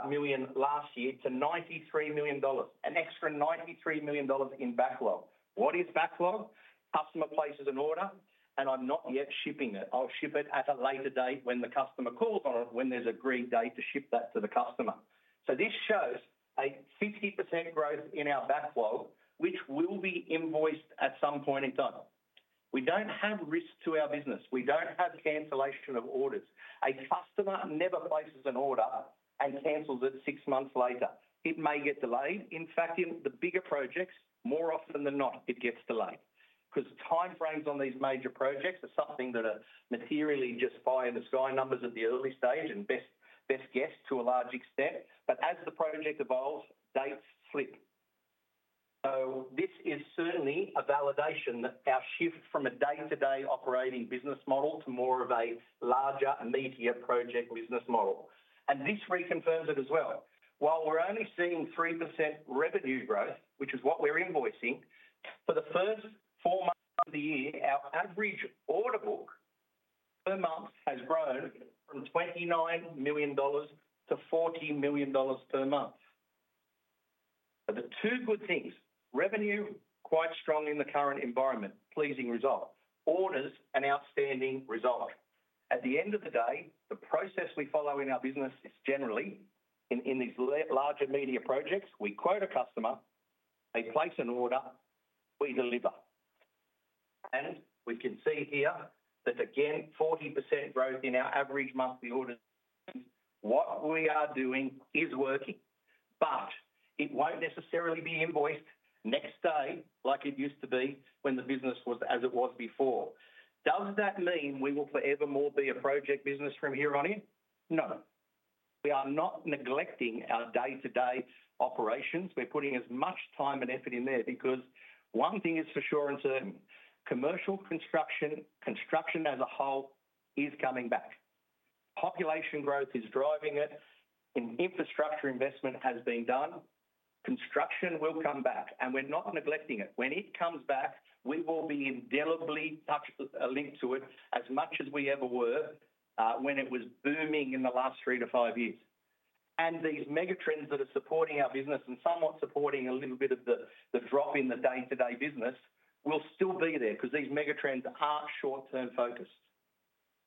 Speaker 5: million last year to 93 million dollars, an extra 93 million dollars in backlog. What is backlog? Customer places an order, and I'm not yet shipping it. I'll ship it at a later date when the customer calls on it, when there's a green day to ship that to the customer. So, this shows a 50% growth in our backlog, which will be invoiced at some point in time. We don't have risks to our business. We don't have cancellation of orders. A customer never places an order and cancels it six months later. It may get delayed. In fact, in the bigger projects, more often than not, it gets delayed because timeframes on these major projects are something that are materially just by the sky numbers at the early stage and best guess to a large extent. But as the project evolves, dates slip, so this is certainly a validation that our shift from a day-to-day operating business model to more of a larger, meatier project business model, and this reconfirms it as well. While we're only seeing 3% revenue growth, which is what we're invoicing, for the first four months of the year, our average order book per month has grown from 29 million dollars to 40 million dollars per month. The two good things: revenue quite strong in the current environment, pleasing result, orders an outstanding result. At the end of the day, the process we follow in our business is generally in these larger major projects. We quote a customer, they place an order, we deliver, and we can see here that again, 40% growth in our average monthly orders. What we are doing is working, but it won't necessarily be invoiced next day like it used to be when the business was as it was before. Does that mean we will forever more be a project business from here on in? No. We are not neglecting our day-to-day operations. We're putting as much time and effort in there because one thing is for sure and certain, commercial construction, construction as a whole is coming back. Population growth is driving it. Infrastructure investment has been done. Construction will come back, and we're not neglecting it. When it comes back, we will be indelibly linked to it as much as we ever were when it was booming in the last three to five years. And these mega trends that are supporting our business and somewhat supporting a little bit of the drop in the day-to-day business will still be there because these mega trends aren't short-term focused.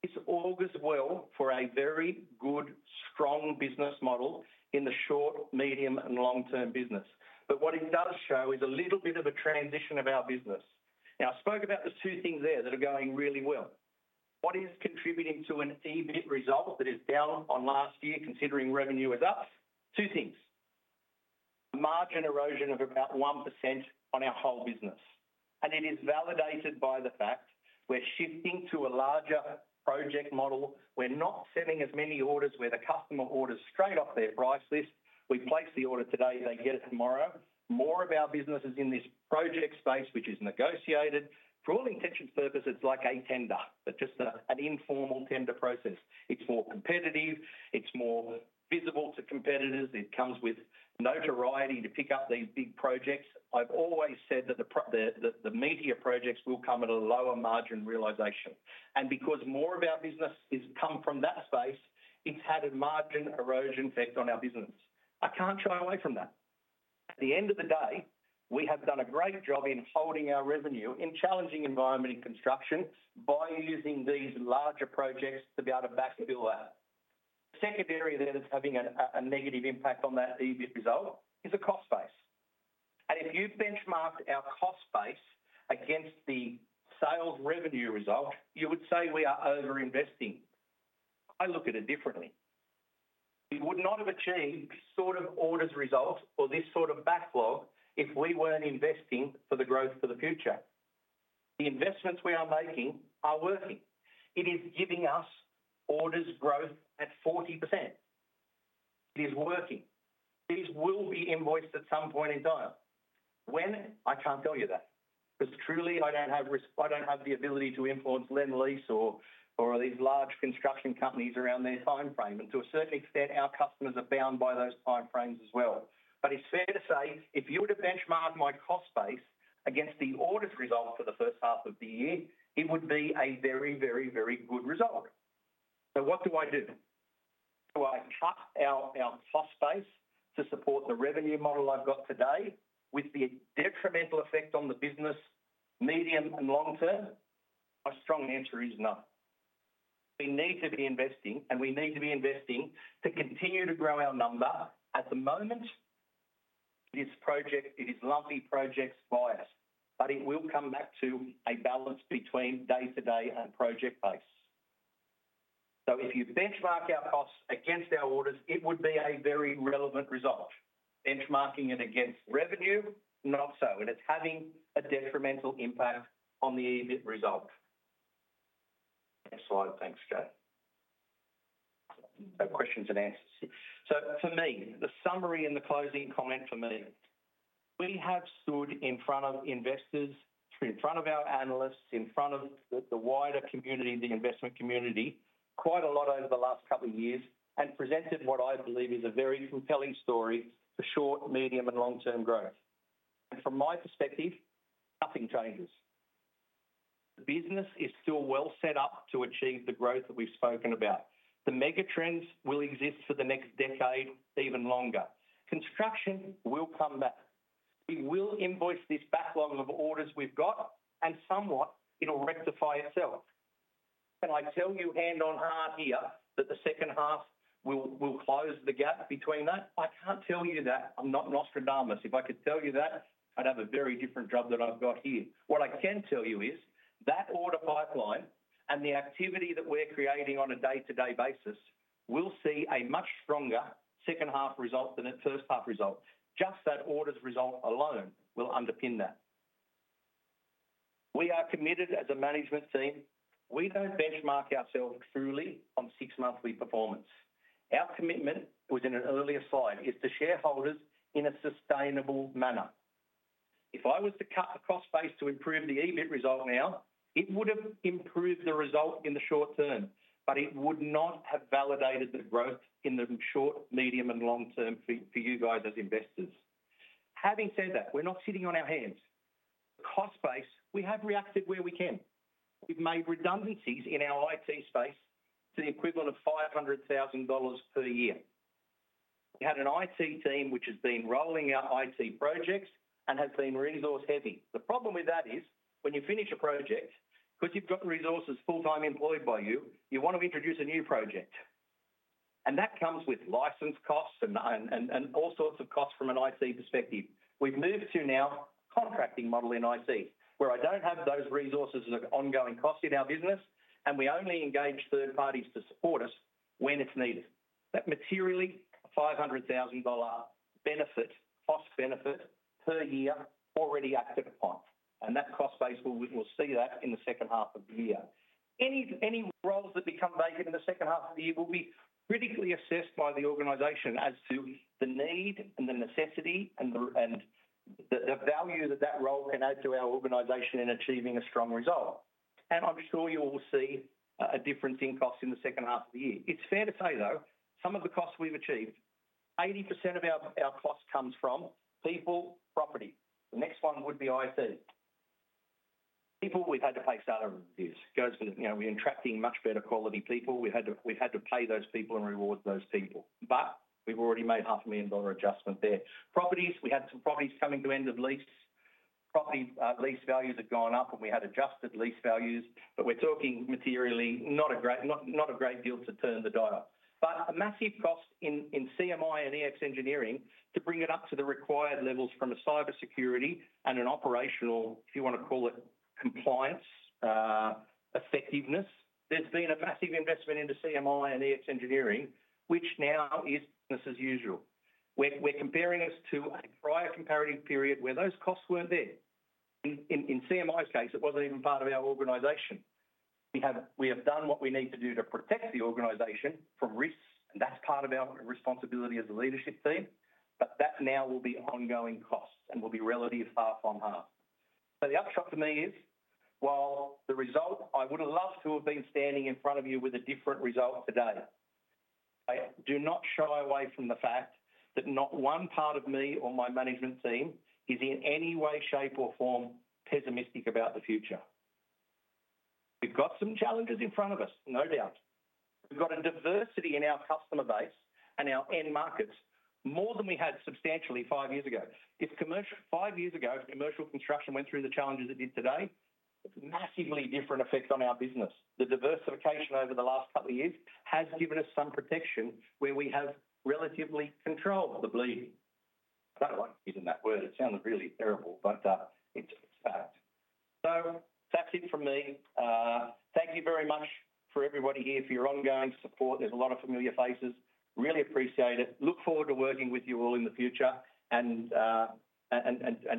Speaker 5: This augurs well for a very good, strong business model in the short, medium, and long-term business. But what it does show is a little bit of a transition of our business. Now, I spoke about the two things there that are going really well. What is contributing to an EBIT result that is down on last year considering revenue is up? Two things. Margin erosion of about 1% on our whole business. And it is validated by the fact we're shifting to a larger project model. We're not sending as many orders where the customer orders straight off their price list. We place the order today. They get it tomorrow. More of our business is in this project space, which is negotiated. For all intentions purpose, it's like a tender, but just an informal tender process. It's more competitive. It's more visible to competitors. It comes with notoriety to pick up these big projects. I've always said that the meatier projects will come at a lower margin realization. And because more of our business has come from that space, it's had a margin erosion effect on our business. I can't shy away from that. At the end of the day, we have done a great job in holding our revenue in challenging environment in construction by using these larger projects to be able to backfill that. The second area there that's having a negative impact on that EBIT result is the cost base. And if you've benchmarked our cost base against the sales revenue result, you would say we are over-investing. I look at it differently. We would not have achieved this sort of orders result or this sort of backlog if we weren't investing for the growth for the future. The investments we are making are working. It is giving us orders growth at 40%. It is working. These will be invoiced at some point in time. When? I can't tell you that because truly I don't have the ability to influence Lendlease or these large construction companies around their timeframe. To a certain extent, our customers are bound by those timeframes as well. But it's fair to say if you were to benchmark my cost base against the orders result for the first half of the year, it would be a very, very, very good result. So what do I do? Do I cut our cost base to support the revenue model I've got today with the detrimental effect on the business medium and long term? My strong answer is no. We need to be investing, and we need to be investing to continue to grow our number. At the moment, this project, it is lumpy projects biased, but it will come back to a balance between day-to-day and project base. So if you benchmark our costs against our orders, it would be a very relevant result. Benchmarking it against revenue, not so. It's having a detrimental impact on the EBIT result. Next slide. Thanks, Jay. No questions and answers. For me, the summary and the closing comment for me, we have stood in front of investors, in front of our analysts, in front of the wider community, the investment community, quite a lot over the last couple of years and presented what I believe is a very compelling story for short, medium, and long-term growth. From my perspective, nothing changes. The business is still well set up to achieve the growth that we've spoken about. The megatrends will exist for the next decade, even longer. Construction will come back. We will invoice this backlog of orders we've got, and somewhat it'll rectify itself. Can I tell you hand on heart here that the second half will close the gap between that? I can't tell you that. I'm not Nostradamus. If I could tell you that, I'd have a very different job than I've got here. What I can tell you is that order pipeline and the activity that we're creating on a day-to-day basis will see a much stronger second half result than the first half result. Just that orders result alone will underpin that. We are committed as a management team. We don't benchmark ourselves truly on six-monthly performance. Our commitment, it was in an earlier slide, is to shareholders in a sustainable manner. If I was to cut the cost base to improve the EBIT result now, it would have improved the result in the short term, but it would not have validated the growth in the short, medium, and long term for you guys as investors. Having said that, we're not sitting on our hands. The cost base, we have reacted where we can. We've made redundancies in our IT space to the equivalent of 500,000 dollars per year. We had an IT team which has been rolling out IT projects and has been resource-heavy. The problem with that is when you finish a project, because you've got resources full-time employed by you, you want to introduce a new project. And that comes with license costs and all sorts of costs from an IT perspective. We've moved to now a contracting model in IT where I don't have those resources as an ongoing cost in our business, and we only engage third parties to support us when it's needed. That materially 500,000 dollar benefit, cost benefit per year already acted upon. And that cost base, we'll see that in the second half of the year. Any roles that become vacant in the second half of the year will be critically assessed by the organization as to the need and the necessity and the value that that role can add to our organization in achieving a strong result, and I'm sure you will see a difference in costs in the second half of the year. It's fair to say, though, some of the costs we've achieved, 80% of our costs comes from people, property. The next one would be IT. People, we've had to pay salaries. We're attracting much better quality people. We've had to pay those people and reward those people, but we've already made 500,000 dollar adjustment there. Properties, we had some properties coming to end of lease. Property lease values have gone up, and we had adjusted lease values, but we're talking materially not a great deal to turn the dial. But a massive cost in CMI and EX Engineering to bring it up to the required levels from a cybersecurity and an operational, if you want to call it, compliance effectiveness. There has been a massive investment into CMI and EX Engineering, which now is business as usual. We are comparing us to a prior comparative period where those costs were not there. In CMI's case, it was not even part of our organization. We have done what we need to do to protect the organization from risks, and that is part of our responsibility as a leadership team. But that now will be ongoing costs and will be relative half on half. So the upshot for me is, while the result, I would have loved to have been standing in front of you with a different result today. I do not shy away from the fact that not one part of me or my management team is in any way, shape, or form pessimistic about the future. We've got some challenges in front of us, no doubt. We've got a diversity in our customer base and our end markets more than we had substantially five years ago. Five years ago, commercial construction went through the challenges it did today. It's a massively different effect on our business. The diversification over the last couple of years has given us some protection where we have relatively controlled the bleed. I don't like using that word. It sounds really terrible, but it's fact. So that's it from me. Thank you very much for everybody here, for your ongoing support. There's a lot of familiar faces. Really appreciate it. Look forward to working with you all in the future and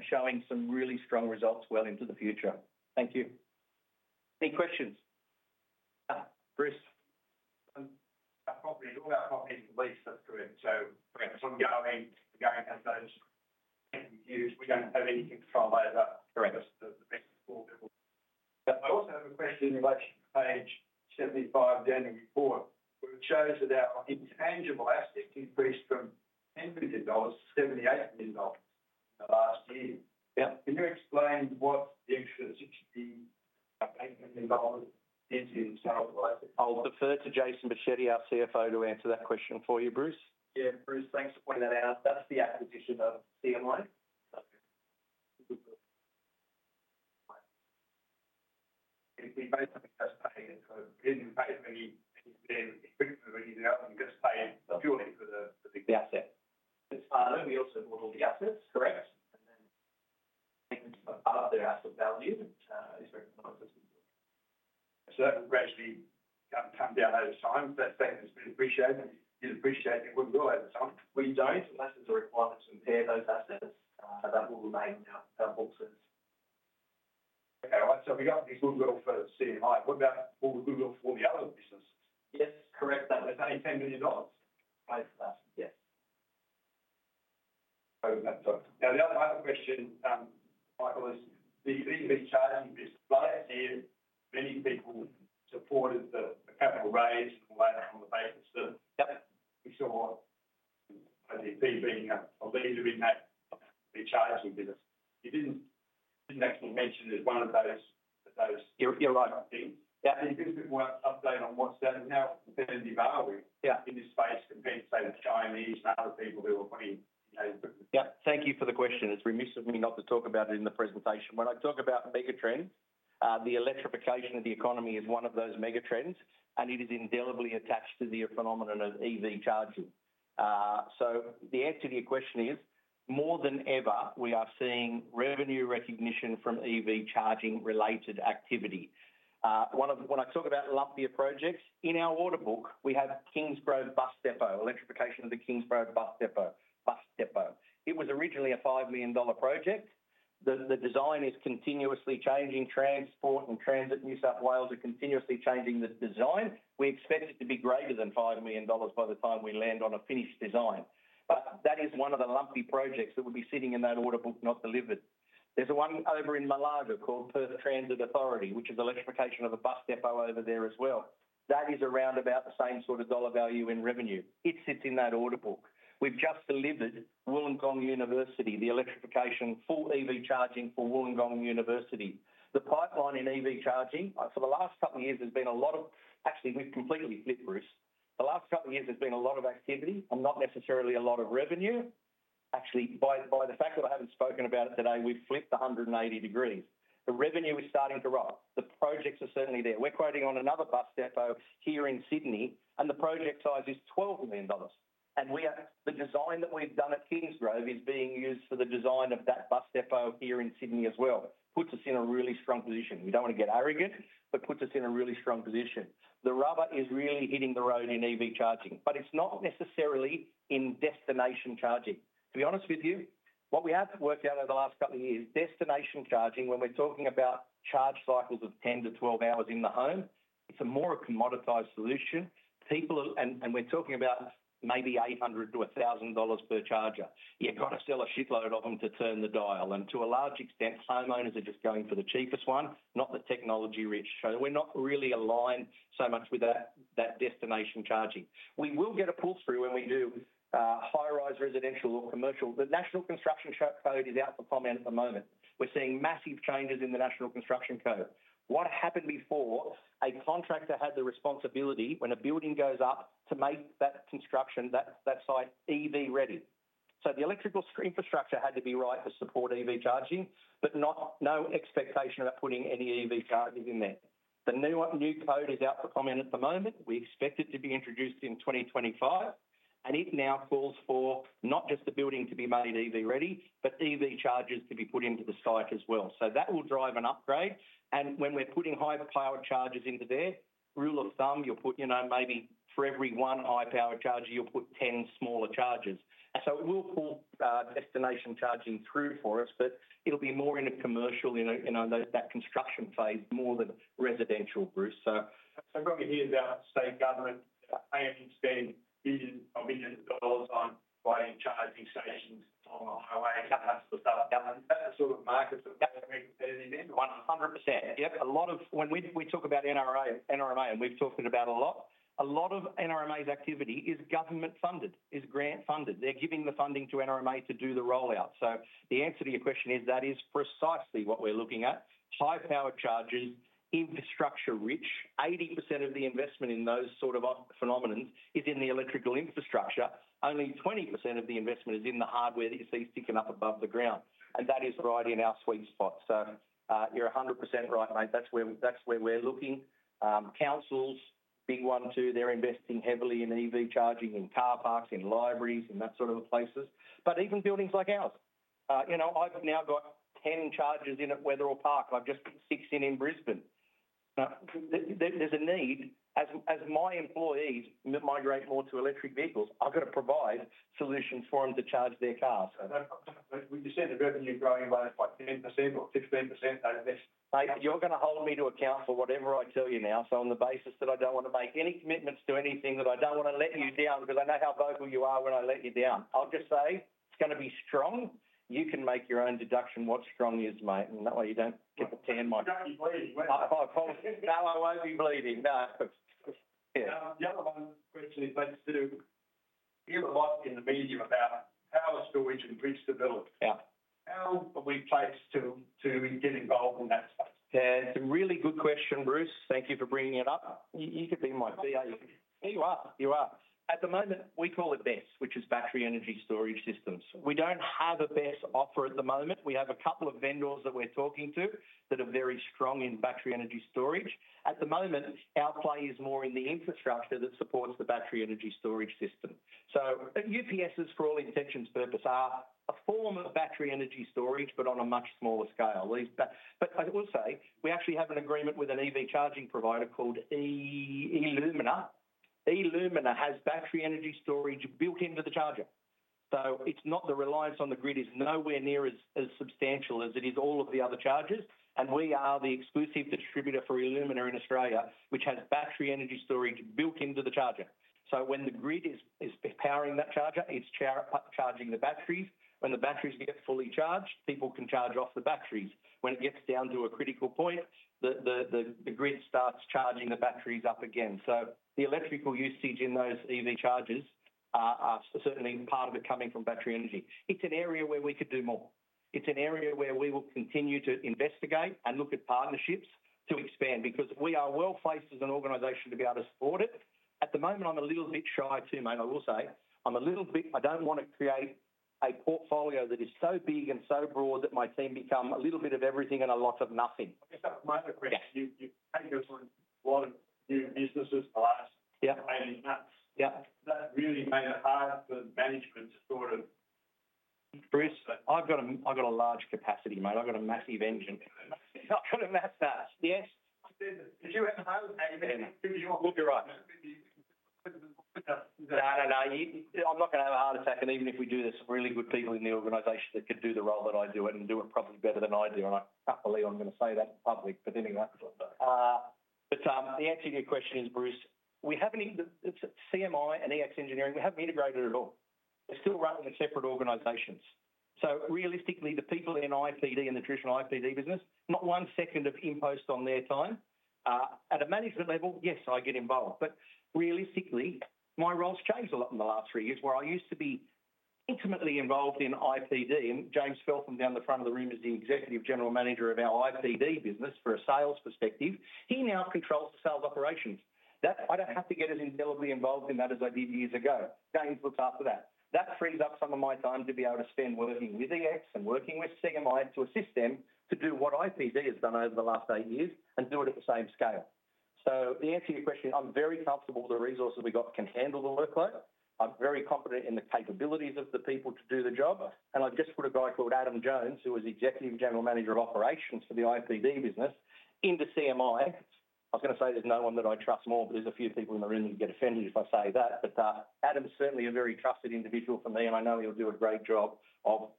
Speaker 5: showing some really strong results well into the future. Thank you. Any questions? Chris.
Speaker 4: That property is all that property leased, that's correct. So ongoing as those things are used, we don't have any control over the next four. I also have a question in relation to page 75, directors' report, which shows that our intangible assets increased from 10 million dollars to 78 million dollars in the last year. Can you explain what the extra 68 million dollars is in sales?
Speaker 5: I'll defer to Jason Boschetti, our CFO, to answer that question for you, Bruce.
Speaker 4: Yeah, Bruce, thanks for pointing that out. That's the acquisition of CMI. We basically just paid for it. We didn't pay for any intangibles. We just paid purely for the asset. It's fine. We also bought all the assets. Correct. Other asset value is recognised. So that will gradually come down over time. That's something that's been appreciated. It's been appreciated. It will go over time. We don't, unless there's a requirement to repair those assets, that will remain in our boxes. Okay, right. So we got these goodwill for CMI. What about all the goodwill for the other businesses? Yes, correct. That was AUD 80 million. Yes. Now, the other question, Michael, is the EV charging. Last year, many people supported the capital raise and all that on the basis that we saw IPD being a leader in that EV charging business. You didn't actually mention it as one of those things. You're right. Yeah. I think this is a bit more update on what's that. Now, how competitive are we in this space compared to, say, the Chinese and other people who are putting?
Speaker 5: Thank you for the question. It's remiss of me not to talk about it in the presentation. When I talk about mega trends, the electrification of the economy is one of those mega trends, and it is indelibly attached to the phenomenon of EV charging. So the answer to your question is, more than ever, we are seeing revenue recognition from EV charging-related activity. When I talk about lumpier projects, in our order book, we have Kingsgrove Bus Depot, electrification of the Kingsgrove Bus Depot. It was originally a 5 million dollar project. The design is continuously changing. Transport for New South Wales are continuously changing the design. We expect it to be greater than 5 million dollars by the time we land on a finished design. But that is one of the lumpy projects that will be sitting in that order book not delivered. There's one over in Malaga called Perth Transit Authority, which is electrification of the bus depot over there as well. That is around about the same sort of dollar value in revenue. It sits in that order book. We've just delivered University of Wollongong, the electrification, full EV charging for University of Wollongong. The pipeline in EV charging, for the last couple of years, there's been a lot of actually, we've completely flipped, Bruce. The last couple of years, there's been a lot of activity and not necessarily a lot of revenue. Actually, by the fact that I haven't spoken about it today, we've flipped 180 degrees. The revenue is starting to rise. The projects are certainly there. We're working on another bus depot here in Sydney, and the project size is 12 million dollars. The design that we've done at Kingsgrove is being used for the design of that bus depot here in Sydney as well. It puts us in a really strong position. We don't want to get arrogant, but it puts us in a really strong position. The rubber is really hitting the road in EV charging, but it's not necessarily in destination charging. To be honest with you, what we have worked out over the last couple of years, destination charging, when we're talking about charge cycles of 10-12 hours in the home, it's more a commoditized solution. And we're talking about maybe 800-1,000 dollars per charger. You've got to sell a shitload of them to turn the dial. And to a large extent, homeowners are just going for the cheapest one, not the technology-rich. We're not really aligned so much with that destination charging. We will get a pull-through when we do high-rise residential or commercial. The National Construction Code is out for comment at the moment. We're seeing massive changes in the National Construction Code. What happened before? A contractor had the responsibility, when a building goes up, to make that construction, that site, EV-ready. So the electrical infrastructure had to be right to support EV charging, but no expectation about putting any EV chargers in there. The new code is out for comment at the moment. We expect it to be introduced in 2025. And it now calls for not just the building to be made EV-ready, but EV chargers to be put into the site as well. So that will drive an upgrade. And when we're putting high-powered chargers into there, rule of thumb, you'll put maybe for every one high-powered charger, you'll put 10 smaller chargers. So it will pull destination charging through for us, but it'll be more in a commercial, that construction phase, more than residential, Bruce.
Speaker 4: So I've heard about state governments spending millions of millions of dollars on providing charging stations on the highway and that sort of stuff. That's the sort of market that we're competitive in. 100%.
Speaker 5: Yep. A lot of when we talk about NRMA, and we've talked about a lot, a lot of NRMA's activity is government-funded, is grant-funded. They're giving the funding to NRMA to do the rollout. So the answer to your question is that is precisely what we're looking at. High-powered chargers, infrastructure-rich. 80% of the investment in those sort of phenomena is in the electrical infrastructure. Only 20% of the investment is in the hardware that you see sticking up above the ground. And that is right in our sweet spot. So you're 100% right, mate. That's where we're looking. Councils, big one too. They're investing heavily in EV charging in car parks, in libraries, in that sort of places. But even buildings like ours. I've now got 10 chargers in at Wetherill Park. I've just put 6 in in Brisbane. There's a need. As my employees migrate more to electric vehicles, I've got to provide solutions for them to charge their cars. Would you say the revenue's growing by 10% or 15% over this? You're going to hold me to account for whatever I tell you now. So on the basis that I don't want to make any commitments to anything, that I don't want to let you down, because I know how vocal you are when I let you down, I'll just say it's going to be strong. You can make your own deduction. What's strong is, mate.
Speaker 4: In that way, you don't get the hand mic. I won't be bleeding. No. The other question is. Let's see. You hear a lot in the media about power storage and grid stability. How are we placed to get involved in that space?
Speaker 5: Yeah. It's a really good question, Bruce. Thank you for bringing it up. You could be my PA. You are. At the moment, we call it BESS, which is Battery Energy Storage Systems. We don't have a BESS offer at the moment. We have a couple of vendors that we're talking to that are very strong in battery energy storage. At the moment, our play is more in the infrastructure that supports the battery energy storage system. So UPSs, for all intents and purposes, are a form of battery energy storage, but on a much smaller scale. But I will say, we actually have an agreement with an EV charging provider called Elumina. Elumina has battery energy storage built into the charger. So it's not the reliance on the grid is nowhere near as substantial as it is all of the other chargers. And we are the exclusive distributor for Elumina in Australia, which has battery energy storage built into the charger. So when the grid is powering that charger, it's charging the batteries. When the batteries get fully charged, people can charge off the batteries. When it gets down to a critical point, the grid starts charging the batteries up again. So the electrical usage in those EV chargers are certainly part of it coming from battery energy. It's an area where we could do more. It's an area where we will continue to investigate and look at partnerships to expand, because we are well placed as an organization to be able to support it. At the moment, I'm a little bit shy too, mate. I will say. I'm a little bit I don't want to create a portfolio that is so big and so broad that my team become a little bit of everything and a lot of nothing.
Speaker 4: Just a minor question. You've taken on one new business this past 80 months. That really made it hard for management to sort of.
Speaker 5: Bruce, I've got a large capacity, mate. I've got a massive engine. I've got a massive heart. Yes. Did you have a heart attack then? You're right. No, no, no. I'm not going to have a heart attack. And even if we do, there's some really good people in the organization that could do the role that I do and do it probably better than I do. And I can't believe I'm going to say that in public, but anyway. But the answer to your question is, Bruce, we haven't CMI and EX Engineering, we haven't integrated at all. They're still running in separate organizations. So realistically, the people in IPD and the traditional IPD business, not one second of imposition on their time. At a management level, yes, I get involved. But realistically, my roles changed a lot in the last three years, where I used to be intimately involved in IPD. And James Feltham down the front of the room is the Executive General Manager of our IPD business for a sales perspective. He now controls the sales operations. I don't have to get as indelibly involved in that as I did years ago. James looks after that. That frees up some of my time to be able to spend working with EX and working with CMI to assist them to do what IPD has done over the last eight years and do it at the same scale. So the answer to your question, I'm very comfortable with the resources we got can handle the workload. I'm very confident in the capabilities of the people to do the job. And I've just put a guy called Adam Jones, who is Executive General Manager of Operations for the IPD business, into CMI. I was going to say there's no one that I trust more, but there's a few people in the room who'd get offended if I say that. But Adam's certainly a very trusted individual for me, and I know he'll do a great job of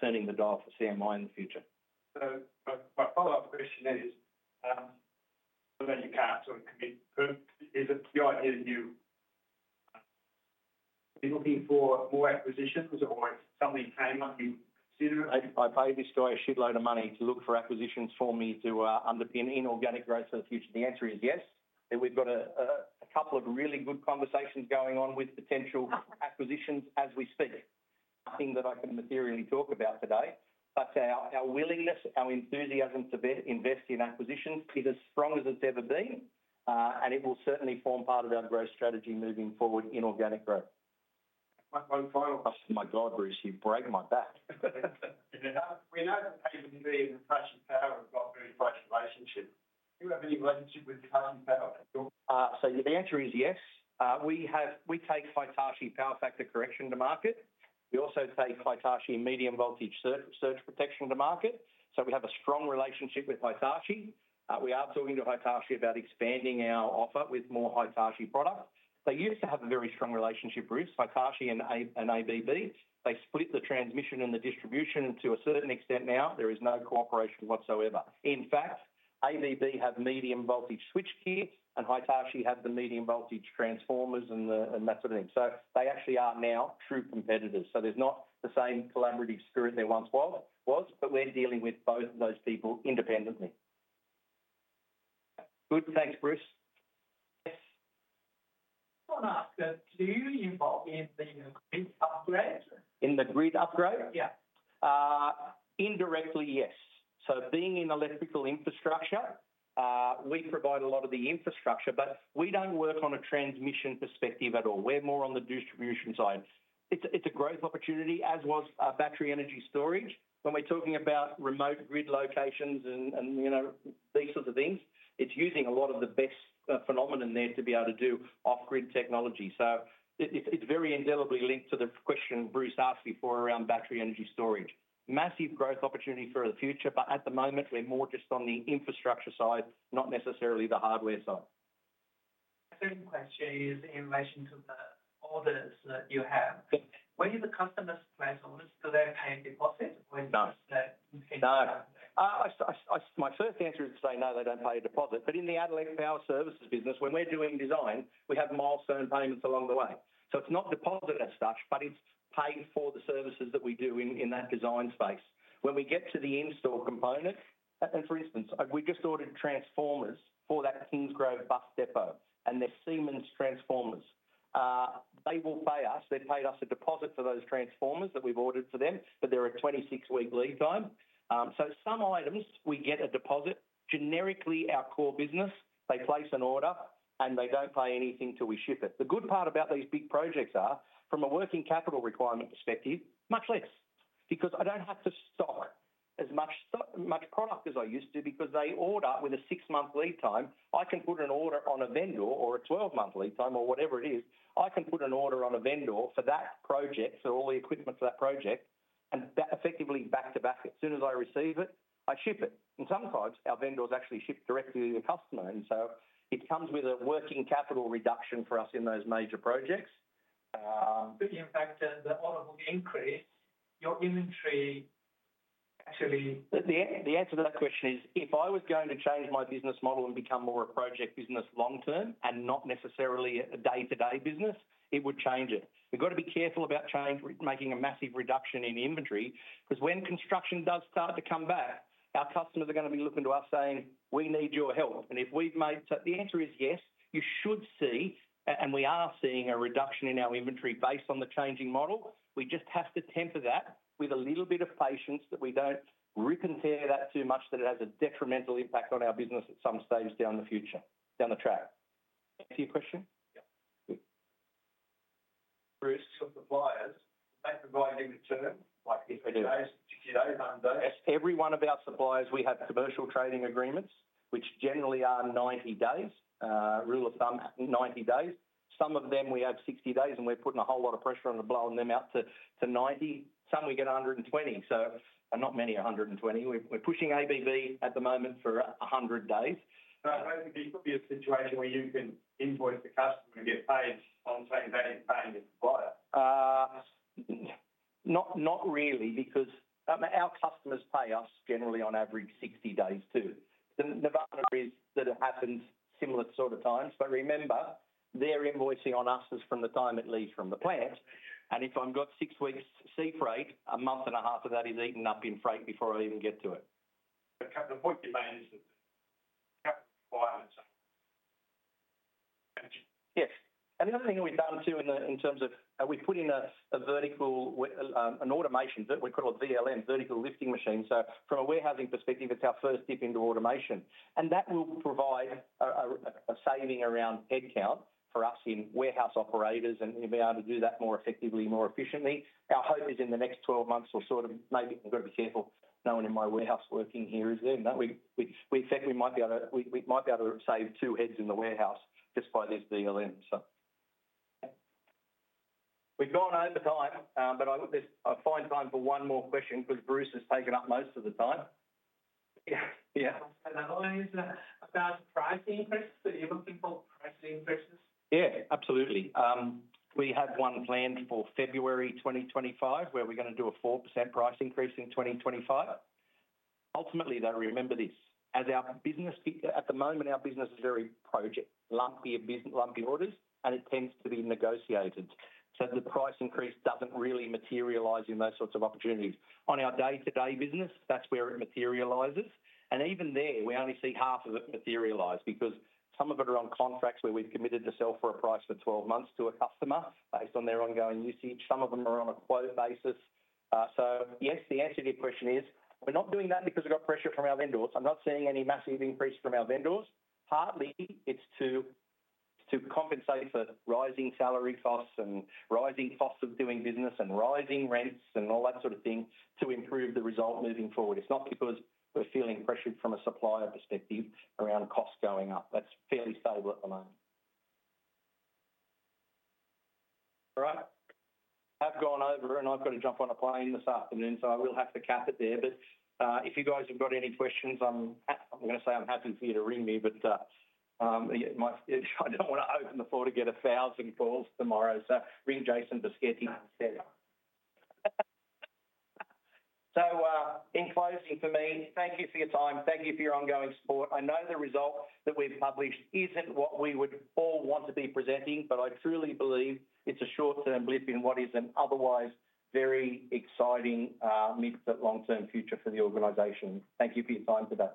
Speaker 5: turning the dial for CMI in the future.
Speaker 4: So my follow-up question is, when you can't sort of commit, is it the idea that you'd be looking for more acquisitions or if something came up you'd consider it?
Speaker 5: I paid this guy a shitload of money to look for acquisitions for me to underpin inorganic growth for the future. The answer is yes. We've got a couple of really good conversations going on with potential acquisitions as we speak. Nothing that I can materially talk about today. But our willingness, our enthusiasm to invest in acquisitions is as strong as it's ever been. And it will certainly form part of our growth strategy moving forward in organic growth. One final question. My God, Bruce, you've broken my back.
Speaker 4: We know that ABB and Hitachi Power have got very close relationships. Do you have any relationship with Hitachi Power?
Speaker 5: So the answer is yes. We take Hitachi power factor correction to market. We also take Hitachi medium voltage surge protection to market. So we have a strong relationship with Hitachi. We are talking to Hitachi about expanding our offer with more Hitachi products. They used to have a very strong relationship, Bruce. Hitachi and ABB, they split the transmission and the distribution to a certain extent now. There is no cooperation whatsoever. In fact, ABB have medium voltage switch gears, and Hitachi have the medium voltage transformers and that sort of thing. So they actually are now true competitors. So there's not the same collaborative spirit there once was, but we're dealing with both of those people independently. Good. Thanks, Bruce.
Speaker 4: Yes. I want to ask, do you involve in the grid upgrade? In the grid upgrade?
Speaker 5: Yeah. Indirectly, yes. So being in electrical infrastructure, we provide a lot of the infrastructure, but we don't work on a transmission perspective at all. We're more on the distribution side. It's a growth opportunity, as was battery energy storage. When we're talking about remote grid locations and these sorts of things, it's using a lot of the BESS phenomenon there to be able to do off-grid technology. So it's very inextricably linked to the question Bruce asked before around battery energy storage. Massive growth opportunity for the future, but at the moment, we're more just on the infrastructure side, not necessarily the hardware side.
Speaker 4: My second question is in relation to the orders that you have. When you have customers place orders, do they pay a deposit or is it just that?
Speaker 5: No. My first answer is to say no, they don't pay a deposit. But in the Addelec business, when we're doing design, we have milestone payments along the way. So it's not deposit and such, but it's paid for the services that we do in that design space. When we get to the install component, and for instance, we just ordered transformers for that Kingsgrove bus depot and they're Siemens transformers. They will pay us. They paid us a deposit for those transformers that we've ordered for them, but they're a 26-week lead time. So some items, we get a deposit. Generically, our core business, they place an order, and they don't pay anything till we ship it. The good part about these big projects are, from a working capital requirement perspective, much less. Because I don't have to stock as much product as I used to, because they order with a six-month lead time. I can put an order on a vendor or a 12-month lead time or whatever it is. I can put an order on a vendor for that project, for all the equipment for that project, and effectively back to back. As soon as I receive it, I ship it. And sometimes our vendors actually ship directly to the customer. And so it comes with a working capital reduction for us in those major projects. But in fact, the order will increase. Your inventory actually. The answer to that question is, if I was going to change my business model and become more a project business long-term and not necessarily a day-to-day business, it would change it. We've got to be careful about making a massive reduction in inventory, because when construction does start to come back, our customers are going to be looking to us saying, "We need your help." And if we've made, the answer is yes. You should see, and we are seeing a reduction in our inventory based on the changing model. We just have to temper that with a little bit of patience that we don't reconfigure that too much that it has a detrimental impact on our business at some stage down the future, down the track. That's your question?
Speaker 4: Yep. Bruce. Your suppliers, they provide you with terms like 50 days, 60 days, 100 days?
Speaker 5: Every one of our suppliers, we have commercial trading agreements, which generally are 90 days. Rule of thumb, 90 days. Some of them, we have 60 days, and we're putting a whole lot of pressure on to blow them out to 90. Some we get 120. So not many 120. We're pushing ABB at the moment for 100 days.
Speaker 4: But ABB could be a situation where you can invoice the customer and get paid on the same day as paying the supplier.
Speaker 5: Not really, because our customers pay us generally on average 60 days too. The net is that it happens similar sort of times. But remember, their invoicing on us is from the time it leaves from the plant. And if I've got six weeks' sea freight, a month and a half of that is eaten up in freight before I even get to it.
Speaker 4: A couple of point demands and a couple of requirements.
Speaker 5: Yes. The other thing that we've done too in terms of we've put in an automation that we call a VLM, vertical lifting machine. From a warehousing perspective, it's our first dip into automation. That will provide a saving around headcount for us in warehouse operators and be able to do that more effectively, more efficiently. Our hope is in the next 12 months we'll sort of maybe. I've got to be careful. No one in my warehouse working here is there, mate. We think we might be able to save two heads in the warehouse just by this VLM, so. We've gone over time, but I find time for one more question because Bruce has taken up most of the time.
Speaker 4: Yeah. Are those about price increases? Are you looking for price increases?
Speaker 5: Yeah, absolutely. We have one planned for February 2025 where we're going to do a 4% price increase in 2025. Ultimately, though, remember this. At the moment, our business is very project, lumpy orders, and it tends to be negotiated. So the price increase doesn't really materialize in those sorts of opportunities. On our day-to-day business, that's where it materializes. And even there, we only see half of it materialize because some of it are on contracts where we've committed to sell for a price for 12 months to a customer based on their ongoing usage. Some of them are on a quote basis. So yes, the answer to your question is, we're not doing that because we've got pressure from our vendors. I'm not seeing any massive increase from our vendors. Partly, it's to compensate for rising salary costs and rising costs of doing business and rising rents and all that sort of thing to improve the result moving forward. It's not because we're feeling pressured from a supplier perspective around costs going up. That's fairly stable at the moment. All right. I've gone over and I've got to jump on a plane this afternoon, so I will have to cap it there. But if you guys have got any questions, I'm going to say I'm happy for you to ring me, but I don't want to open the floor to get 1,000 calls tomorrow. So ring Jason Boschetti. So in closing for me, thank you for your time. Thank you for your ongoing support. I know the result that we've published isn't what we would all want to be presenting, but I truly believe it's a short-term blip in what is an otherwise very exciting mid to long-term future for the organization. Thank you for your time today.